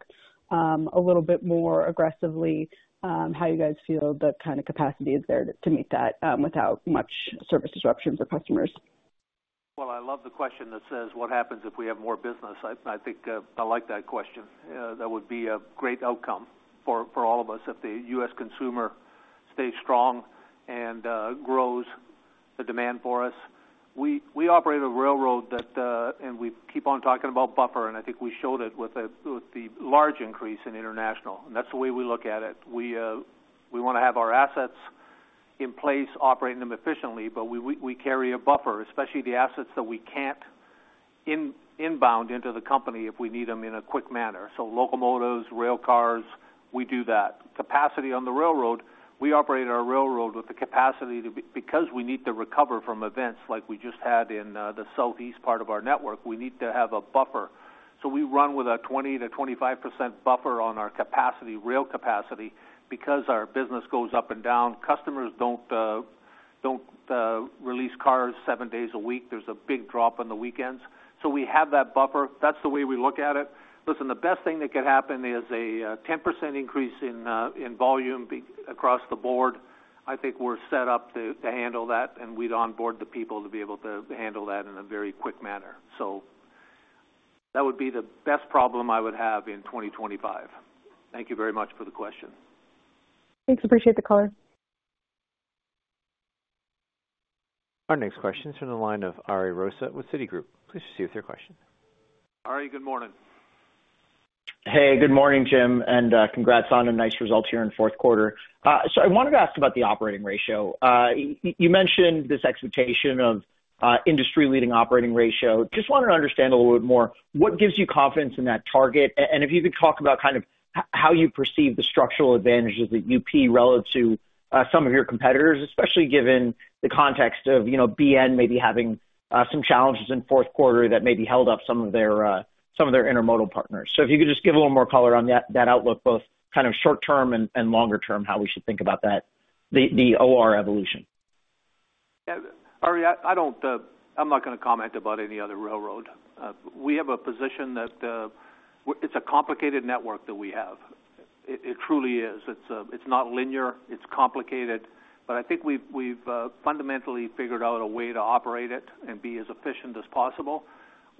a little bit more aggressively, how you guys feel the kind of capacity is there to meet that without much service disruption for customers? I love the question that says, "What happens if we have more business?" I think I like that question. That would be a great outcome for all of us if the U.S. consumer stays strong and grows the demand for us. We operate a railroad, and we keep on talking about buffer, and I think we showed it with the large increase in international. And that's the way we look at it. We want to have our assets in place, operating them efficiently, but we carry a buffer, especially the assets that we can't inbound into the company if we need them in a quick manner. So locomotives, rail cars, we do that. Capacity on the railroad, we operate our railroad with the capacity to because we need to recover from events like we just had in the Southeast part of our network. We need to have a buffer. So we run with a 20%-25% buffer on our capacity, rail capacity, because our business goes up and down. Customers don't release cars seven days a week. There's a big drop on the weekends. So we have that buffer. That's the way we look at it. Listen, the best thing that could happen is a 10% increase in volume across the board. I think we're set up to handle that, and we'd onboard the people to be able to handle that in a very quick manner. So that would be the best problem I would have in 2025. Thank you very much for the question. Thanks. Appreciate the call. Our next question is from the line of Ari Rosa with Citigroup. Please proceed with your question. Ari, good morning. Hey, good morning, Jim, and congrats on the nice results here in fourth quarter, so I wanted to ask about the operating ratio. You mentioned this expectation of industry-leading operating ratio. Just wanted to understand a little bit more. What gives you confidence in that target, and if you could talk about kind of how you perceive the structural advantages that you see relative to some of your competitors, especially given the context of BN maybe having some challenges in fourth quarter that maybe held up some of their intermodal partners, so if you could just give a little more color on that outlook, both kind of short-term and longer-term, how we should think about that, the OR evolution. Ari, I'm not going to comment about any other railroad. We have a position that it's a complicated network that we have. It truly is. It's not linear. It's complicated. But I think we've fundamentally figured out a way to operate it and be as efficient as possible.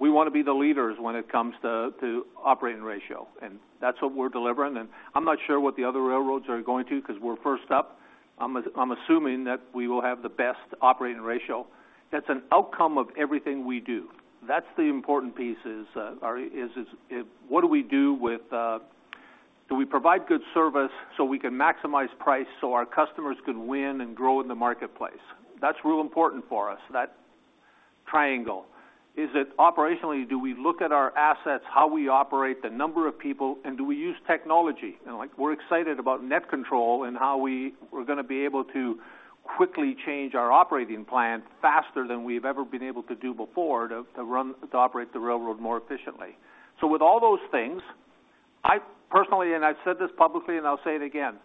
We want to be the leaders when it comes to operating ratio. And that's what we're delivering. And I'm not sure what the other railroads are going to because we're first up. I'm assuming that we will have the best operating ratio. That's an outcome of everything we do. That's the important piece is, Ari, is what do we do with do we provide good service so we can maximize price so our customers can win and grow in the marketplace? That's real important for us, that triangle. Is it operationally? Do we look at our assets, how we operate, the number of people, and do we use technology? And we're excited about NetControl and how we're going to be able to quickly change our operating plan faster than we've ever been able to do before to operate the railroad more efficiently. So with all those things, I personally, and I've said this publicly, and I'll say it again,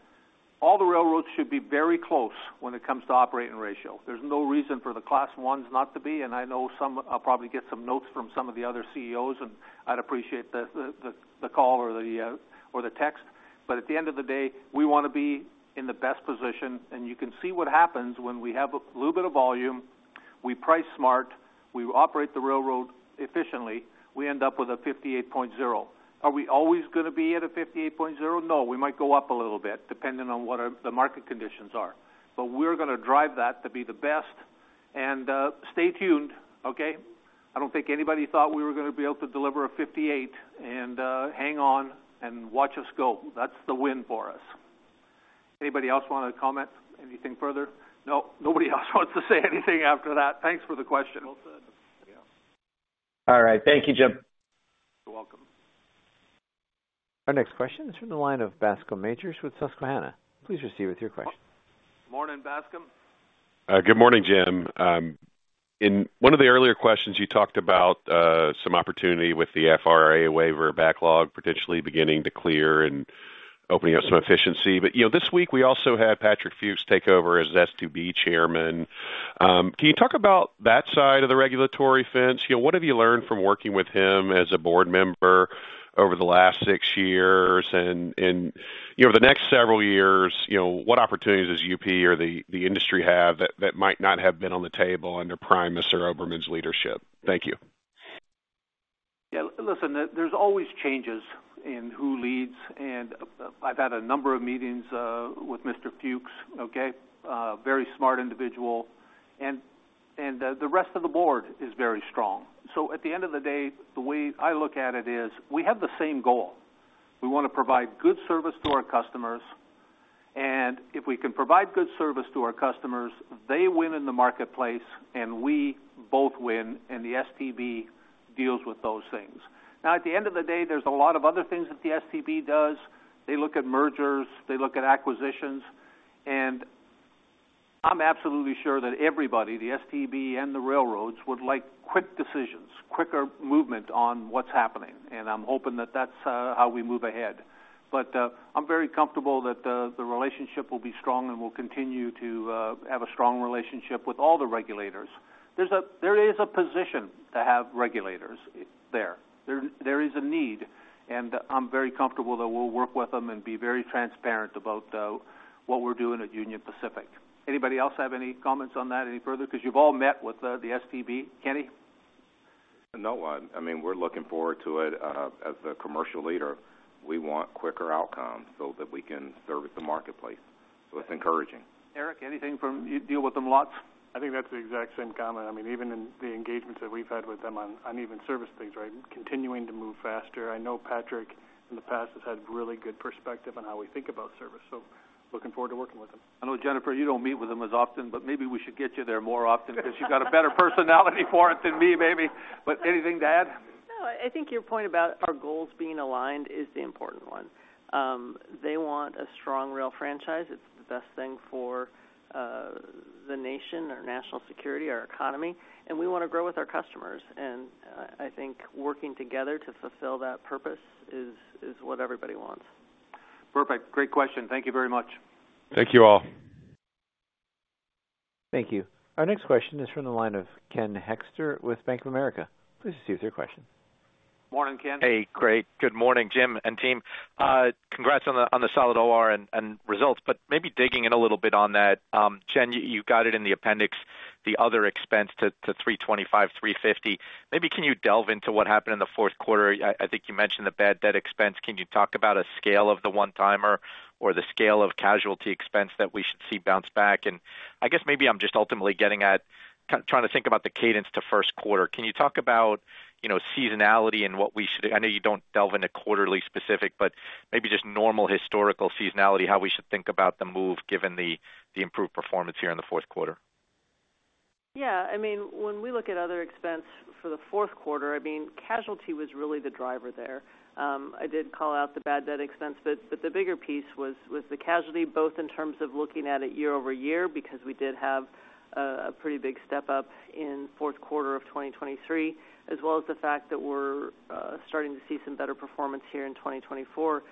all the railroads should be very close when it comes to operating ratio. There's no reason for the Class Ones not to be. And I know some I'll probably get some notes from some of the other CEOs, and I'd appreciate the call or the text. But at the end of the day, we want to be in the best position. And you can see what happens when we have a little bit of volume. We price smart. We operate the railroad efficiently. We end up with a 58.0. Are we always going to be at a 58.0? No, we might go up a little bit depending on what the market conditions are. But we're going to drive that to be the best, and stay tuned, okay? I don't think anybody thought we were going to be able to deliver a 58 and hang on and watch us go. That's the win for us. Anybody else want to comment anything further? No, nobody else wants to say anything after that. Thanks for the question. Well said. Yeah. All right. Thank you, Jim. You're welcome. Our next question is from the line of Bascom Majors with Susquehanna. Please proceed with your question. Morning, Bascom. Good morning, Jim. In one of the earlier questions, you talked about some opportunity with the FRA waiver backlog potentially beginning to clear and opening up some efficiency. But this week, we also had Patrick Fuchs take over as STB chairman. Can you talk about that side of the regulatory fence? What have you learned from working with him as a board member over the last six years? And over the next several years, what opportunities does UP or the industry have that might not have been on the table under Chairman Mr. Oberman's leadership? Thank you. Yeah. Listen, there's always changes in who leads. And I've had a number of meetings with Mr. Fuchs, okay? Very smart individual. And the rest of the board is very strong. So at the end of the day, the way I look at it is we have the same goal. We want to provide good service to our customers. And if we can provide good service to our customers, they win in the marketplace, and we both win. And the STB deals with those things. Now, at the end of the day, there's a lot of other things that the STB does. They look at mergers. They look at acquisitions. And I'm absolutely sure that everybody, the STB and the railroads, would like quick decisions, quicker movement on what's happening. And I'm hoping that that's how we move ahead. But I'm very comfortable that the relationship will be strong and will continue to have a strong relationship with all the regulators. There is a position to have regulators there. There is a need. And I'm very comfortable that we'll work with them and be very transparent about what we're doing at Union Pacific. Anybody else have any comments on that any further? Because you've all met with the STB. Kenny? No one. I mean, we're looking forward to it. As the commercial leader, we want quicker outcomes so that we can service the marketplace. So it's encouraging. Eric, anything from you? Deal with them lots? I think that's the exact same comment. I mean, even in the engagements that we've had with them on even service things, right? Continuing to move faster. I know Patrick in the past has had really good perspective on how we think about service. So looking forward to working with him. I know, Jennifer, you don't meet with him as often, but maybe we should get you there more often because you've got a better personality for it than me, maybe. But anything to add? No. I think your point about our goals being aligned is the important one. They want a strong rail franchise. It's the best thing for the nation, our national security, our economy. And we want to grow with our customers. And I think working together to fulfill that purpose is what everybody wants. Perfect. Great question. Thank you very much. Thank you all. Thank you. Our next question is from the line of Ken Hoexter with Bank of America. Please proceed with your question. Morning, Ken. Hey, great. Good morning, Jim and team. Congrats on the solid OR and results. But maybe digging in a little bit on that. Jen, you got it in the appendix, the other expense to $325 million-$350 million. Maybe can you delve into what happened in the fourth quarter? I think you mentioned the bad debt expense. Can you talk about a scale of the one-timer or the scale of casualty expense that we should see bounce back? And I guess maybe I'm just ultimately getting at trying to think about the cadence to first quarter. Can you talk about seasonality and what we should—I know you don't delve into quarterly specific, but maybe just normal historical seasonality, how we should think about the move given the improved performance here in the fourth quarter? Yeah. I mean, when we look at other expense for the fourth quarter, I mean, casualty was really the driver there. I did call out the bad debt expense, but the bigger piece was the casualty, both in terms of looking at it year over year because we did have a pretty big step up in fourth quarter of 2023, as well as the fact that we're starting to see some better performance here in 2024.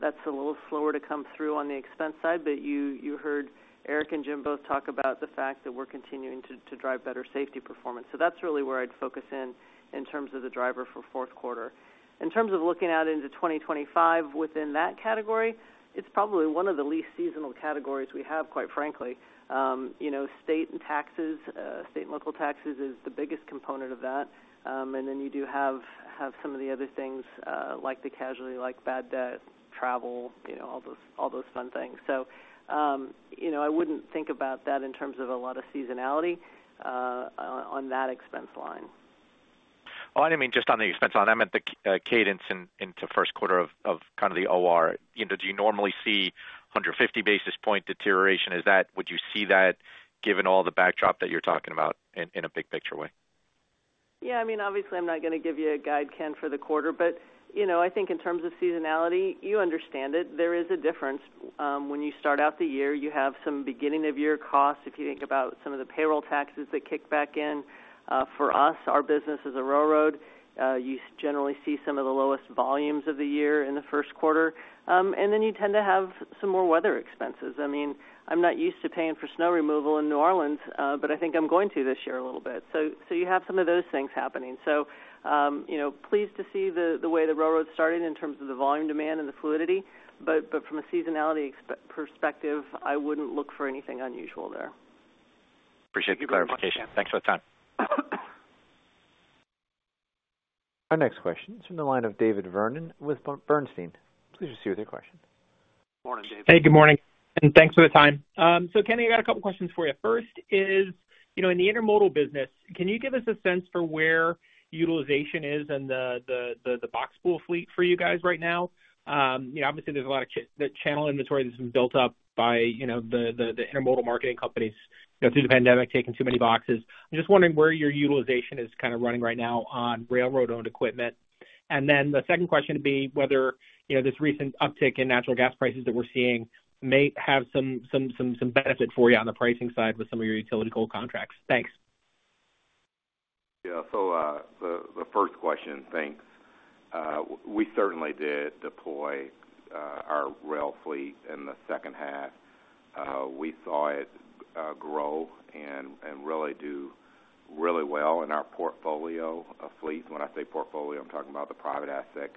That's a little slower to come through on the expense side, but you heard Eric and Jim both talk about the fact that we're continuing to drive better safety performance. So that's really where I'd focus in terms of the driver for fourth quarter. In terms of looking out into 2025, within that category, it's probably one of the least seasonal categories we have, quite frankly. State and taxes, state and local taxes is the biggest component of that. And then you do have some of the other things like the casualty, like bad debt, travel, all those fun things. So I wouldn't think about that in terms of a lot of seasonality on that expense line. Oh, I didn't mean just on the expense line. I meant the cadence into first quarter of kind of the OR. Do you normally see 150 basis points deterioration? Would you see that given all the backdrop that you're talking about in a big picture way? Yeah. I mean, obviously, I'm not going to give you a guide, Ken, for the quarter, but I think in terms of seasonality, you understand it. There is a difference. When you start out the year, you have some beginning of year costs. If you think about some of the payroll taxes that kick back in for us, our business is a railroad. You generally see some of the lowest volumes of the year in the first quarter, and then you tend to have some more weather expenses. I mean, I'm not used to paying for snow removal in New Orleans, but I think I'm going to this year a little bit, so you have some of those things happening, so pleased to see the way the railroad started in terms of the volume demand and the fluidity, but from a seasonality perspective, I wouldn't look for anything unusual there. Appreciate the clarification. Thanks for the time. Our next question is from the line of David Vernon with Bernstein. Please proceed with your question. Morning, David. Hey, good morning. And thanks for the time. So Kenny, I got a couple of questions for you. First is, in the intermodal business, can you give us a sense for where utilization is in the box pool fleet for you guys right now? Obviously, there's a lot of channel inventory that's been built up by the intermodal marketing companies through the pandemic, taking too many boxes. I'm just wondering where your utilization is kind of running right now on railroad-owned equipment. And then the second question would be whether this recent uptick in natural gas prices that we're seeing may have some benefit for you on the pricing side with some of your utility coal contracts. Thanks. Yeah. So the first question, thanks. We certainly did deploy our rail fleet in the second half. We saw it grow and really do really well in our portfolio of fleets. When I say portfolio, I'm talking about the private asset,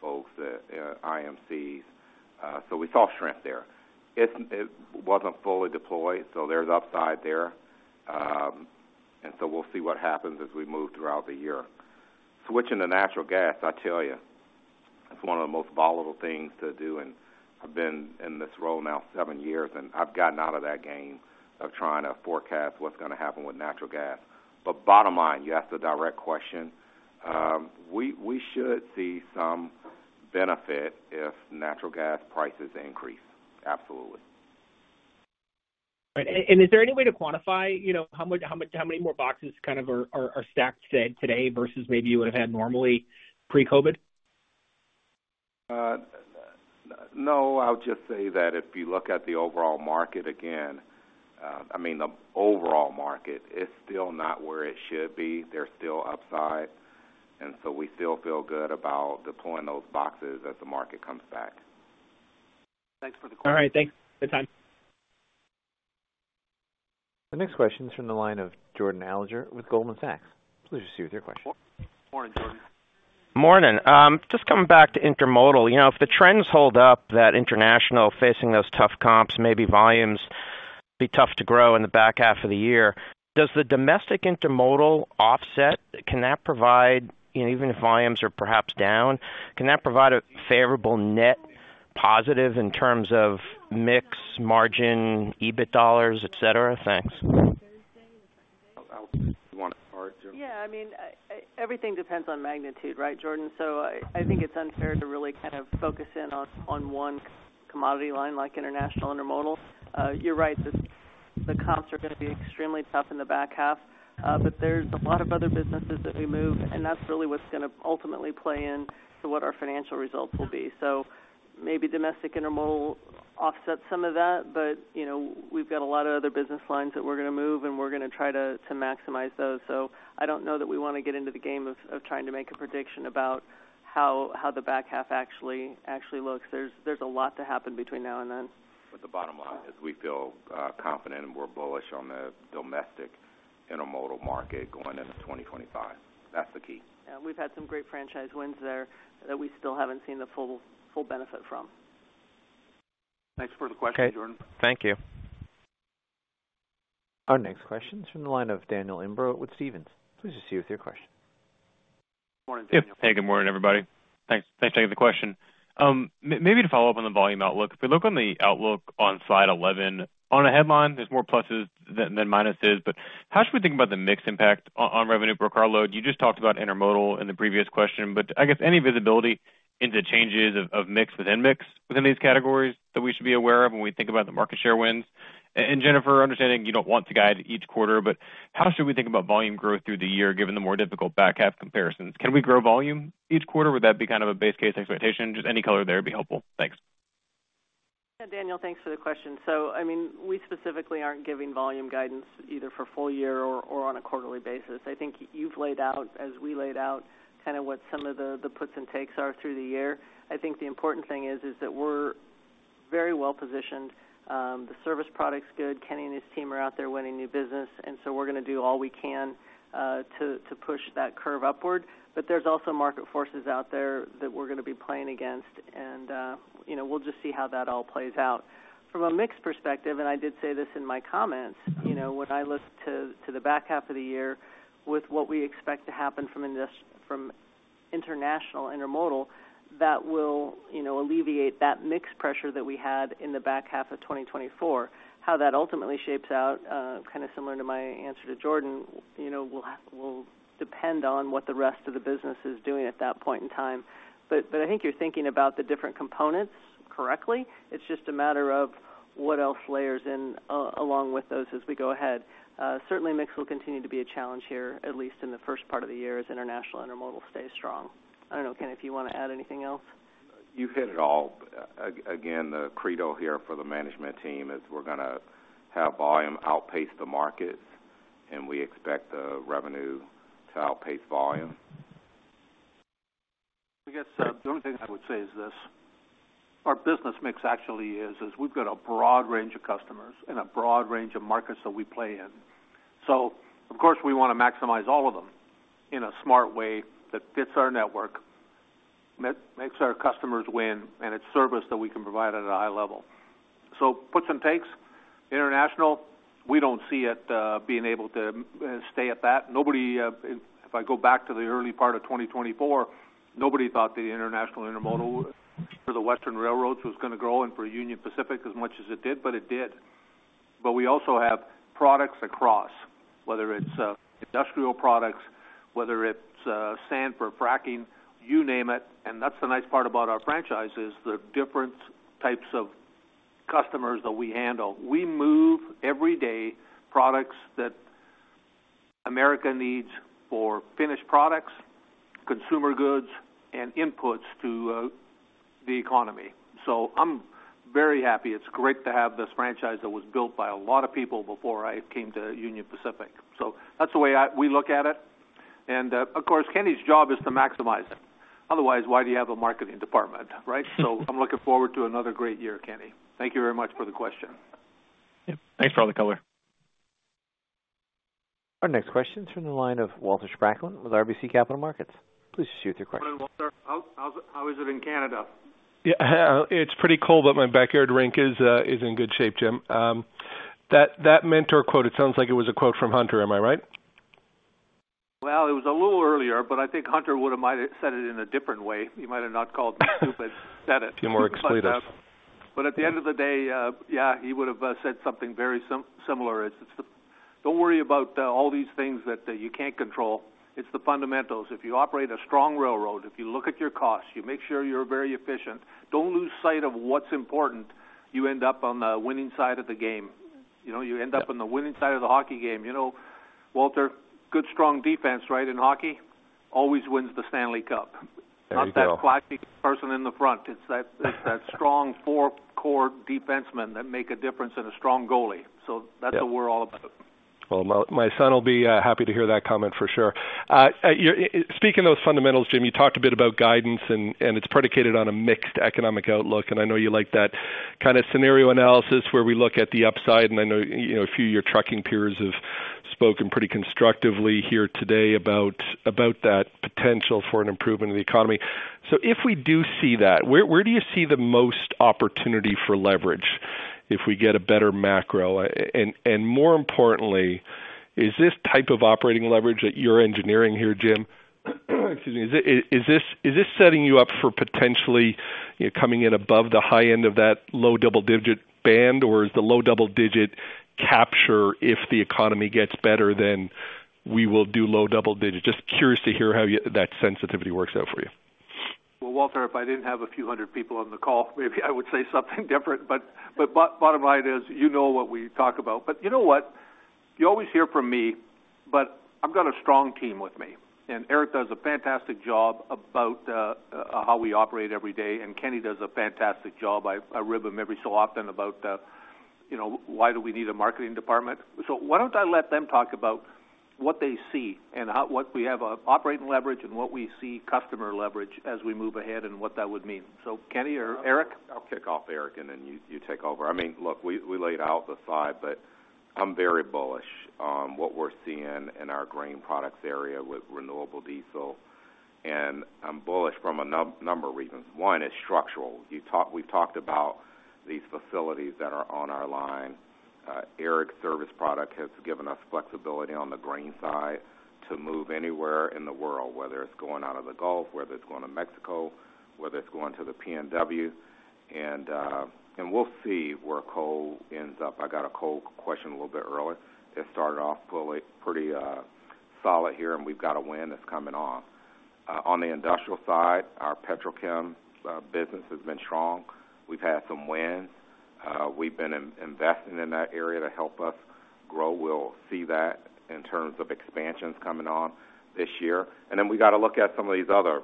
both the IMCs. So we saw strength there. It wasn't fully deployed, so there's upside there. And so we'll see what happens as we move throughout the year. Switching to natural gas, I tell you, it's one of the most volatile things to do. And I've been in this role now seven years, and I've gotten out of that game of trying to forecast what's going to happen with natural gas. But bottom line, you asked a direct question. We should see some benefit if natural gas prices increase. Absolutely. Right, and is there any way to quantify how many more boxes kind of are stacked today versus maybe you would have had normally pre-COVID? No. I would just say that if you look at the overall market again, I mean, the overall market, it's still not where it should be. There's still upside. And so we still feel good about deploying those boxes as the market comes back. Thanks for the question. All right. Thanks for the time. The next question is from the line of Jordan Alliger with Goldman Sachs. Please proceed with your question. Morning, Jordan. Morning. Just coming back to intermodal. If the trends hold up that international facing those tough comps, maybe volumes be tough to grow in the back half of the year, does the domestic intermodal offset, can that provide, even if volumes are perhaps down, can that provide a favorable net positive in terms of mix margin, EBIT dollars, etc.? Thanks. You want it hard, Jordan? Yeah. I mean, everything depends on magnitude, right, Jordan? So I think it's unfair to really kind of focus in on one commodity line like international intermodal. You're right. The comps are going to be extremely tough in the back half. But there's a lot of other businesses that we move, and that's really what's going to ultimately play into what our financial results will be. So maybe domestic intermodal offsets some of that, but we've got a lot of other business lines that we're going to move, and we're going to try to maximize those. So I don't know that we want to get into the game of trying to make a prediction about how the back half actually looks. There's a lot to happen between now and then. But the bottom line is we feel confident and we're bullish on the domestic intermodal market going into 2025. That's the key. Yeah. We've had some great franchise wins there that we still haven't seen the full benefit from. Thanks for the question, Jordan. Thank you. Our next question is from the line of Daniel Imbro with Stephens. Please proceed with your question. Morning, Daniel. Hey, good morning, everybody. Thanks for taking the question. Maybe to follow up on the volume outlook, if we look on the outlook on slide 11, on a headline, there's more pluses than minuses. But how should we think about the mix impact on revenue per carload? You just talked about intermodal in the previous question, but I guess any visibility into changes of mix within mix within these categories that we should be aware of when we think about the market share wins? And Jennifer, understanding you don't want to guide each quarter, but how should we think about volume growth through the year given the more difficult back half comparisons? Can we grow volume each quarter? Would that be kind of a base case expectation? Just any color there would be helpful. Thanks. Yeah. Daniel, thanks for the question. So I mean, we specifically aren't giving volume guidance either for full year or on a quarterly basis. I think you've laid out, as we laid out, kind of what some of the puts and takes are through the year. I think the important thing is that we're very well positioned. The service product's good. Kenny and his team are out there winning new business. And so we're going to do all we can to push that curve upward. But there's also market forces out there that we're going to be playing against. And we'll just see how that all plays out. From a mix perspective, and I did say this in my comments, when I looked to the back half of the year with what we expect to happen from international intermodal, that will alleviate that mix pressure that we had in the back half of 2024. How that ultimately shapes out, kind of similar to my answer to Jordan, will depend on what the rest of the business is doing at that point in time. But I think you're thinking about the different components correctly. It's just a matter of what else layers in along with those as we go ahead. Certainly, mix will continue to be a challenge here, at least in the first part of the year as international intermodal stays strong. I don't know, Ken, if you want to add anything else. You hit it all. Again, the credo here for the management team is we're going to have volume outpace the markets, and we expect the revenue to outpace volume. I guess the only thing I would say is this: our business mix actually is we've got a broad range of customers and a broad range of markets that we play in. So of course, we want to maximize all of them in a smart way that fits our network, makes our customers win, and it's service that we can provide at a high level. So puts and takes. International, we don't see it being able to stay at that. If I go back to the early part of 2024, nobody thought the international intermodal for the Western Railroads was going to grow and for Union Pacific as much as it did, but it did. But we also have products across, whether it's industrial products, whether it's sand for fracking, you name it. And that's the nice part about our franchise is the different types of customers that we handle. We move every day products that America needs for finished products, consumer goods, and inputs to the economy. So I'm very happy. It's great to have this franchise that was built by a lot of people before I came to Union Pacific. So that's the way we look at it. And of course, Kenny's job is to maximize it. Otherwise, why do you have a marketing department, right? So I'm looking forward to another great year, Kenny. Thank you very much for the question. Yep. Thanks for all the color. Our next question is from the line of Walter Spracklin with RBC Capital Markets. Please proceed with your question. Good morning, Walter. How is it in Canada? Yeah. It's pretty cold, but my backyard rink is in good shape, Jim. That mentor quote, it sounds like it was a quote from Hunter, am I right? It was a little earlier, but I think Hunter would have said it in a different way. He might have not called me stupid. He's more expletive. But at the end of the day, yeah, he would have said something very similar. It's, "Don't worry about all these things that you can't control. It's the fundamentals. If you operate a strong railroad, if you look at your costs, you make sure you're very efficient, don't lose sight of what's important, you end up on the winning side of the game. You end up on the winning side of the hockey game." Walter, good strong defense, right, in hockey? Always wins the Stanley Cup. Not that flashy person in the front. It's that strong four-core defenseman that make a difference and a strong goalie. So that's what we're all about. My son will be happy to hear that comment for sure. Speaking of those fundamentals, Jim, you talked a bit about guidance, and it's predicated on a mixed economic outlook. I know you like that kind of scenario analysis where we look at the upside. I know a few of your trucking peers have spoken pretty constructively here today about that potential for an improvement in the economy. So if we do see that, where do you see the most opportunity for leverage if we get a better macro? And more importantly, is this type of operating leverage that you're engineering here, Jim, excuse me, is this setting you up for potentially coming in above the high end of that low double-digit band, or is the low double-digit capture if the economy gets better then we will do low double-digit? Just curious to hear how that sensitivity works out for you. Walter, if I didn't have a few hundred people on the call, maybe I would say something different. But bottom line is you know what we talk about. But you know what? You always hear from me, but I've got a strong team with me. And Eric does a fantastic job about how we operate every day. And Kenny does a fantastic job. I rib him every so often about why do we need a marketing department. So why don't I let them talk about what they see and what we have operating leverage and what we see customer leverage as we move ahead and what that would mean? So Kenny or Eric? I'll kick off, Eric, and then you take over. I mean, look, we laid out the slide, but I'm very bullish on what we're seeing in our grain products area with renewable diesel. And I'm bullish from a number of reasons. One is structural. We've talked about these facilities that are on our line. Eric's service product has given us flexibility on the grain side to move anywhere in the world, whether it's going out of the Gulf, whether it's going to Mexico, whether it's going to the PNW. And we'll see where coal ends up. I got a coal question a little bit earlier. It started off pretty solid here, and we've got a win that's coming on. On the industrial side, our petrochem business has been strong. We've had some wins. We've been investing in that area to help us grow. We'll see that in terms of expansions coming on this year. And then we got to look at some of these other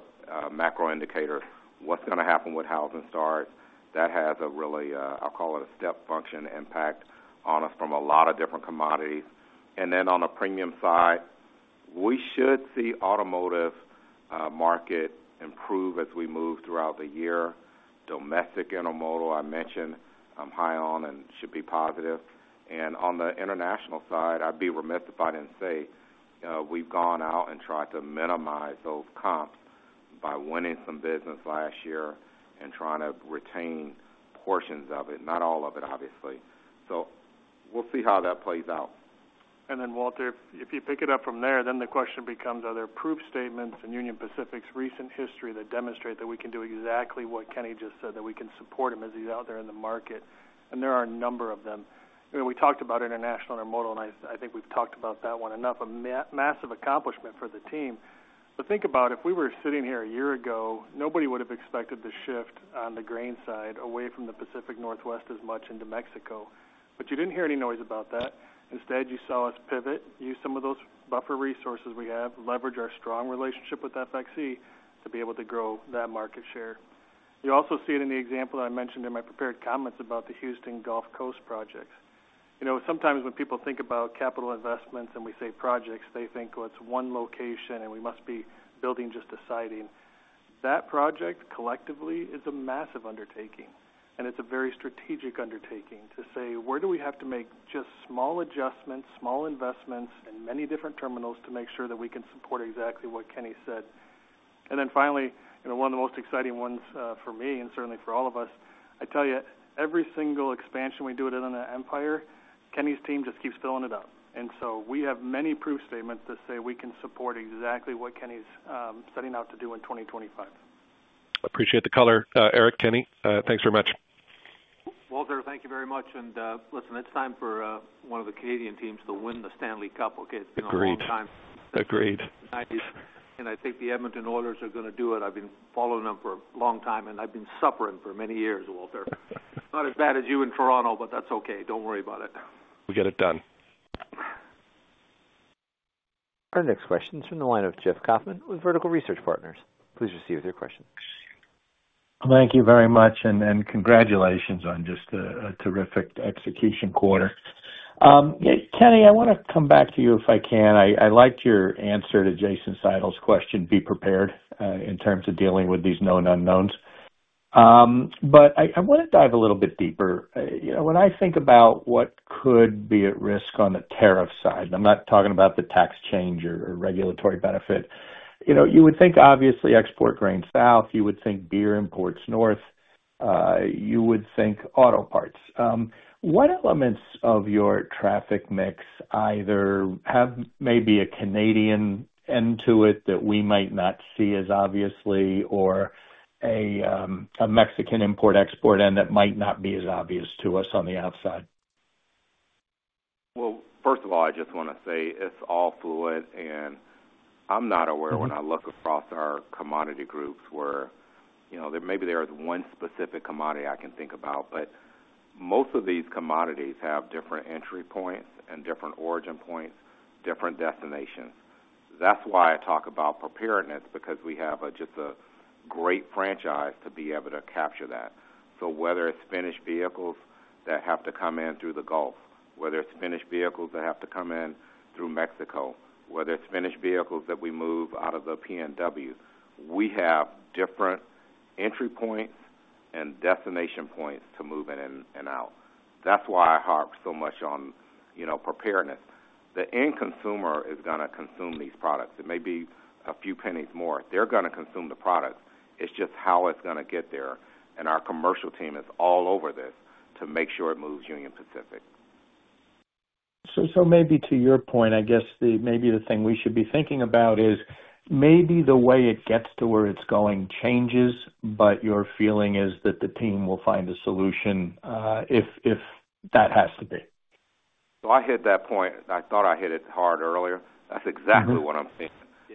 macro indicators. What's going to happen with housing starts? That has a really, I'll call it a step function impact on us from a lot of different commodities. And then on the premium side, we should see the automotive market improve as we move throughout the year. Domestic intermodal, I mentioned, I'm high on and should be positive. And on the international side, I'd be remiss if I didn't say we've gone out and tried to minimize those comps by winning some business last year and trying to retain portions of it, not all of it, obviously. So we'll see how that plays out. Then, Walter, if you pick it up from there, then the question becomes, are there proof statements in Union Pacific's recent history that demonstrate that we can do exactly what Kenny just said, that we can support him as he's out there in the market? There are a number of them. We talked about international intermodal, and I think we've talked about that one enough. A massive accomplishment for the team. Think about it. If we were sitting here a year ago, nobody would have expected the shift on the grain side away from the Pacific Northwest as much into Mexico. You didn't hear any noise about that. Instead, you saw us pivot, use some of those buffer resources we have, leverage our strong relationship with FXE to be able to grow that market share. You also see it in the example I mentioned in my prepared comments about the Houston Gulf Coast projects. Sometimes when people think about capital investments and we say projects, they think, "Well, it's one location, and we must be building just a siding." That project collectively is a massive undertaking. And it's a very strategic undertaking to say, "Where do we have to make just small adjustments, small investments in many different terminals to make sure that we can support exactly what Kenny said?" And then finally, one of the most exciting ones for me and certainly for all of us, I tell you, every single expansion we do within the Inland Empire, Kenny's team just keeps filling it up. And so we have many proof statements that say we can support exactly what Kenny's setting out to do in 2025. Appreciate the color, Eric, Kenny. Thanks very much. Walter, thank you very much. And listen, it's time for one of the Canadian teams to win the Stanley Cup. Okay? It's been a long time. Agreed. Agreed. Nice. And I think the Edmonton Oilers are going to do it. I've been following them for a long time, and I've been suffering for many years, Walter. Not as bad as you in Toronto, but that's okay. Don't worry about it. We'll get it done. Our next question is from the line of Jeff Kauffman with Vertical Research Partners. Please proceed with your question. Thank you very much and congratulations on just a terrific execution quarter. Kenny, I want to come back to you if I can. I liked your answer to Jason Seidl's question, "Be prepared in terms of dealing with these known unknowns," but I want to dive a little bit deeper. When I think about what could be at risk on the tariff side, and I'm not talking about the tax change or regulatory benefit, you would think, obviously, export grain south. You would think beer imports north. You would think auto parts. What elements of your traffic mix either have maybe a Canadian end to it that we might not see as obviously or a Mexican import-export end that might not be as obvious to us on the outside? First of all, I just want to say it's all fluid. I'm not aware when I look across our commodity groups where maybe there is one specific commodity I can think about. Most of these commodities have different entry points and different origin points, different destinations. That's why I talk about preparedness, because we have just a great franchise to be able to capture that. Whether it's finished vehicles that have to come in through the Gulf, whether it's finished vehicles that have to come in through Mexico, whether it's finished vehicles that we move out of the PNW, we have different entry points and destination points to move in and out. That's why I harp so much on preparedness. The end consumer is going to consume these products. It may be a few pennies more. They're going to consume the product. It's just how it's going to get there, and our commercial team is all over this to make sure it moves Union Pacific. Maybe to your point, I guess maybe the thing we should be thinking about is maybe the way it gets to where it's going changes, but your feeling is that the team will find a solution if that has to be. So I hit that point. I thought I hit it hard earlier. That's exactly what I'm seeing.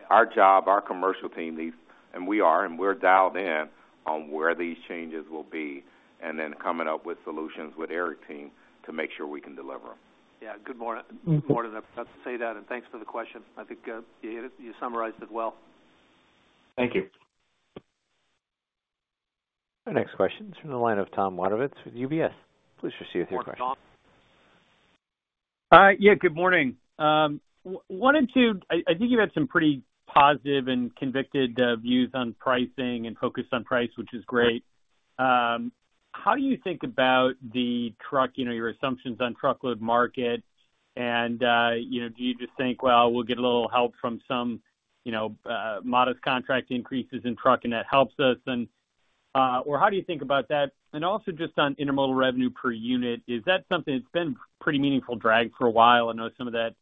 Our job, our commercial team, and we're dialed in on where these changes will be and then coming up with solutions with Eric's team to make sure we can deliver them. Yeah. Good morning. Happy to say that and thanks for the question. I think you summarized it well. Thank you. Our next question is from the line of Tom Wadewitz with UBS. Please proceed with your question. Hi, John. Yeah, good morning. I think you had some pretty positive and convicted views on pricing and focused on price, which is great. How do you think about the truck, your assumptions on truckload market? And do you just think, "Well, we'll get a little help from some modest contract increases in truck, and that helps us"? Or how do you think about that? And also just on intermodal revenue per unit, is that something that's been a pretty meaningful drag for a while? I know some of that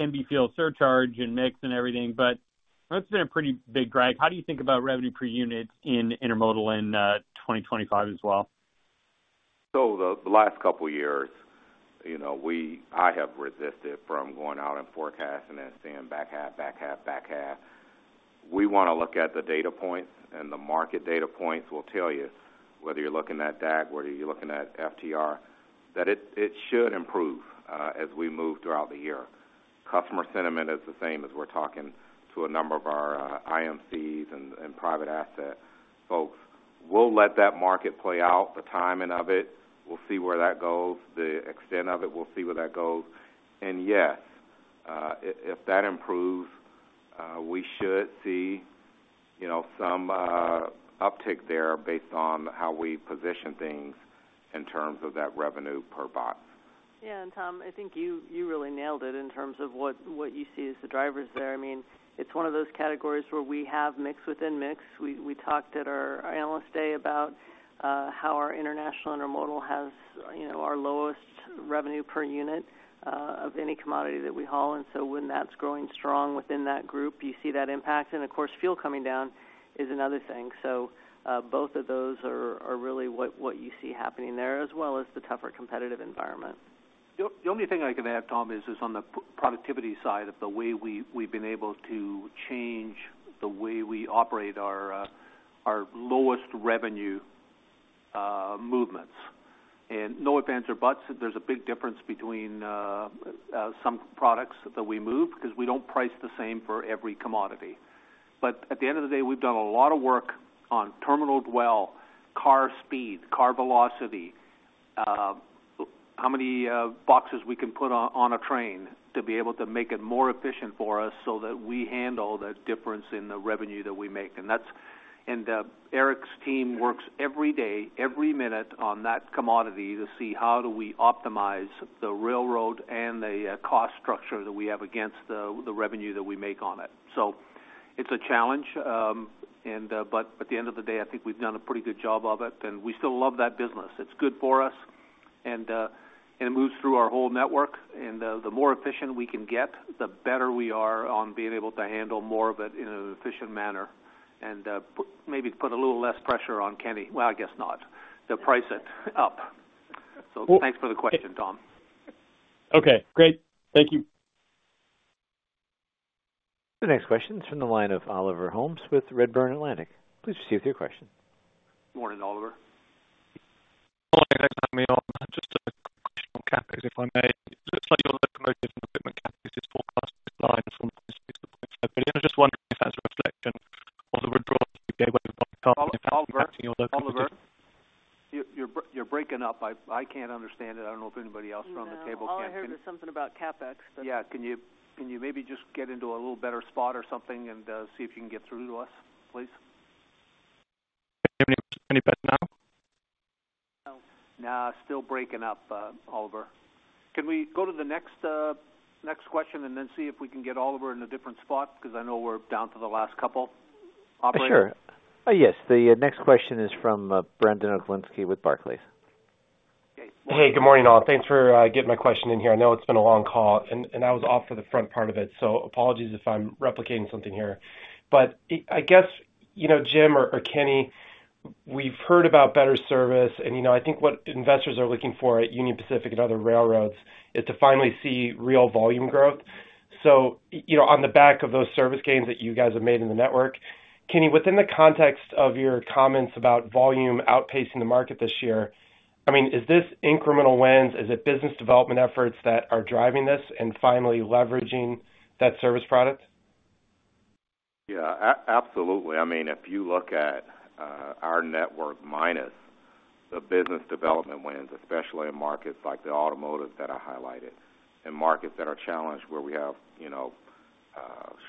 can be fuel surcharge and mix and everything, but that's been a pretty big drag. How do you think about revenue per unit in intermodal in 2025 as well? So the last couple of years, I have resisted from going out and forecasting and seeing back half, back half, back half. We want to look at the data points, and the market data points will tell you whether you're looking at DAT, whether you're looking at FTR, that it should improve as we move throughout the year. Customer sentiment is the same as we're talking to a number of our IMCs and private asset folks. We'll let that market play out the timing of it. We'll see where that goes, the extent of it. We'll see where that goes. And yes, if that improves, we should see some uptick there based on how we position things in terms of that revenue per box. Yeah. And Tom, I think you really nailed it in terms of what you see as the drivers there. I mean, it's one of those categories where we have mix within mix. We talked at our analyst day about how our international intermodal has our lowest revenue per unit of any commodity that we haul. And so when that's growing strong within that group, you see that impact. And of course, fuel coming down is another thing. So both of those are really what you see happening there, as well as the tougher competitive environment. The only thing I can add, Tom, is on the productivity side of the way we've been able to change the way we operate our lowest revenue movements. And no offense or buts, there's a big difference between some products that we move because we don't price the same for every commodity. But at the end of the day, we've done a lot of work on terminal dwell, car speed, car velocity, how many boxes we can put on a train to be able to make it more efficient for us so that we handle the difference in the revenue that we make. And Eric's team works every day, every minute on that commodity to see how do we optimize the railroad and the cost structure that we have against the revenue that we make on it. So it's a challenge. But at the end of the day, I think we've done a pretty good job of it. And we still love that business. It's good for us. And it moves through our whole network. And the more efficient we can get, the better we are on being able to handle more of it in an efficient manner. And maybe put a little less pressure on Kenny. Well, I guess not. They'll price it up. So thanks for the question, Tom. Okay. Great. Thank you. The next question is from the line of Oliver Holmes with Redburn Atlantic. Please proceed with your question. Good morning, Oliver. Hello. Thanks for having me on. Just a quick question on CapEx, if I may. Just like your locomotive and equipment CapEx is $4.6 billion from $600 million to $500 million. I'm just wondering if that's a reflection of the withdrawal that you gave away from the car. Oliver, you're breaking up. I can't understand it. I don't know if anybody else around the table can hear. I heard something about CapEx, but. Yeah. Can you maybe just get into a little better spot or something and see if you can get through to us, please? Can you hear me any better now? No. Nah. Still breaking up, Oliver. Can we go to the next question and then see if we can get Oliver in a different spot because I know we're down to the last couple operating? Sure. Yes. The next question is from Brandon Oglenski with Barclays. Hey. Good morning, all. Thanks for getting my question in here. I know it's been a long call, and I was off for the front part of it. So apologies if I'm replicating something here. But I guess, Jim, or Kenny, we've heard about better service. And I think what investors are looking for at Union Pacific and other railroads is to finally see real volume growth. So on the back of those service gains that you guys have made in the network, Kenny, within the context of your comments about volume outpacing the market this year, I mean, is this incremental wins? Is it business development efforts that are driving this and finally leveraging that service product? Yeah. Absolutely. I mean, if you look at our network minus the business development wins, especially in markets like the automotive that I highlighted, in markets that are challenged where we have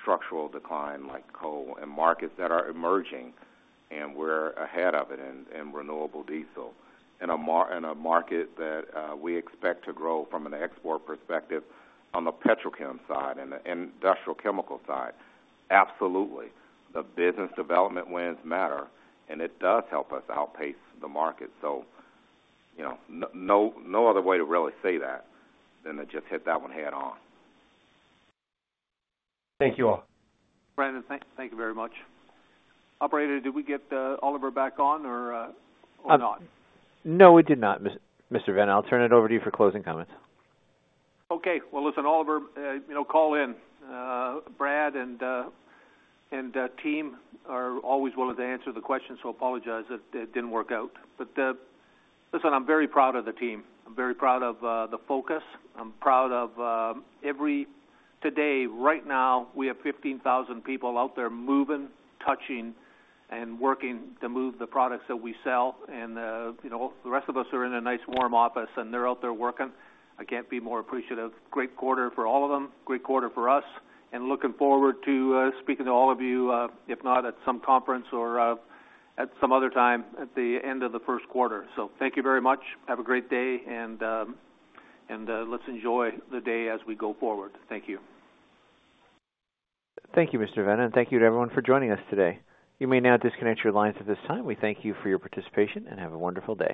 structural decline like coal, in markets that are emerging and we're ahead of it in renewable diesel, in a market that we expect to grow from an export perspective on the petrochem side and the industrial chemical side, absolutely. The business development wins matter, and it does help us outpace the market. So no other way to really say that than to just hit that one head-on. Thank you all. Brandon, thank you very much. Operator, did we get Oliver back on or not? No, we did not, Mr. Vena. I'll turn it over to you for closing comments. Okay. Well, listen, Oliver, call in. Brad and team are always willing to answer the question, so I apologize if it didn't work out. But listen, I'm very proud of the team. I'm very proud of the focus. I'm proud of every today, right now, we have 15,000 people out there moving, touching, and working to move the products that we sell. And the rest of us are in a nice warm office, and they're out there working. I can't be more appreciative. Great quarter for all of them. Great quarter for us. And looking forward to speaking to all of you, if not at some conference or at some other time at the end of the first quarter. So thank you very much. Have a great day, and let's enjoy the day as we go forward. Thank you. Thank you, Mr. Vena, and thank you to everyone for joining us today. You may now disconnect your lines at this time. We thank you for your participation and have a wonderful day.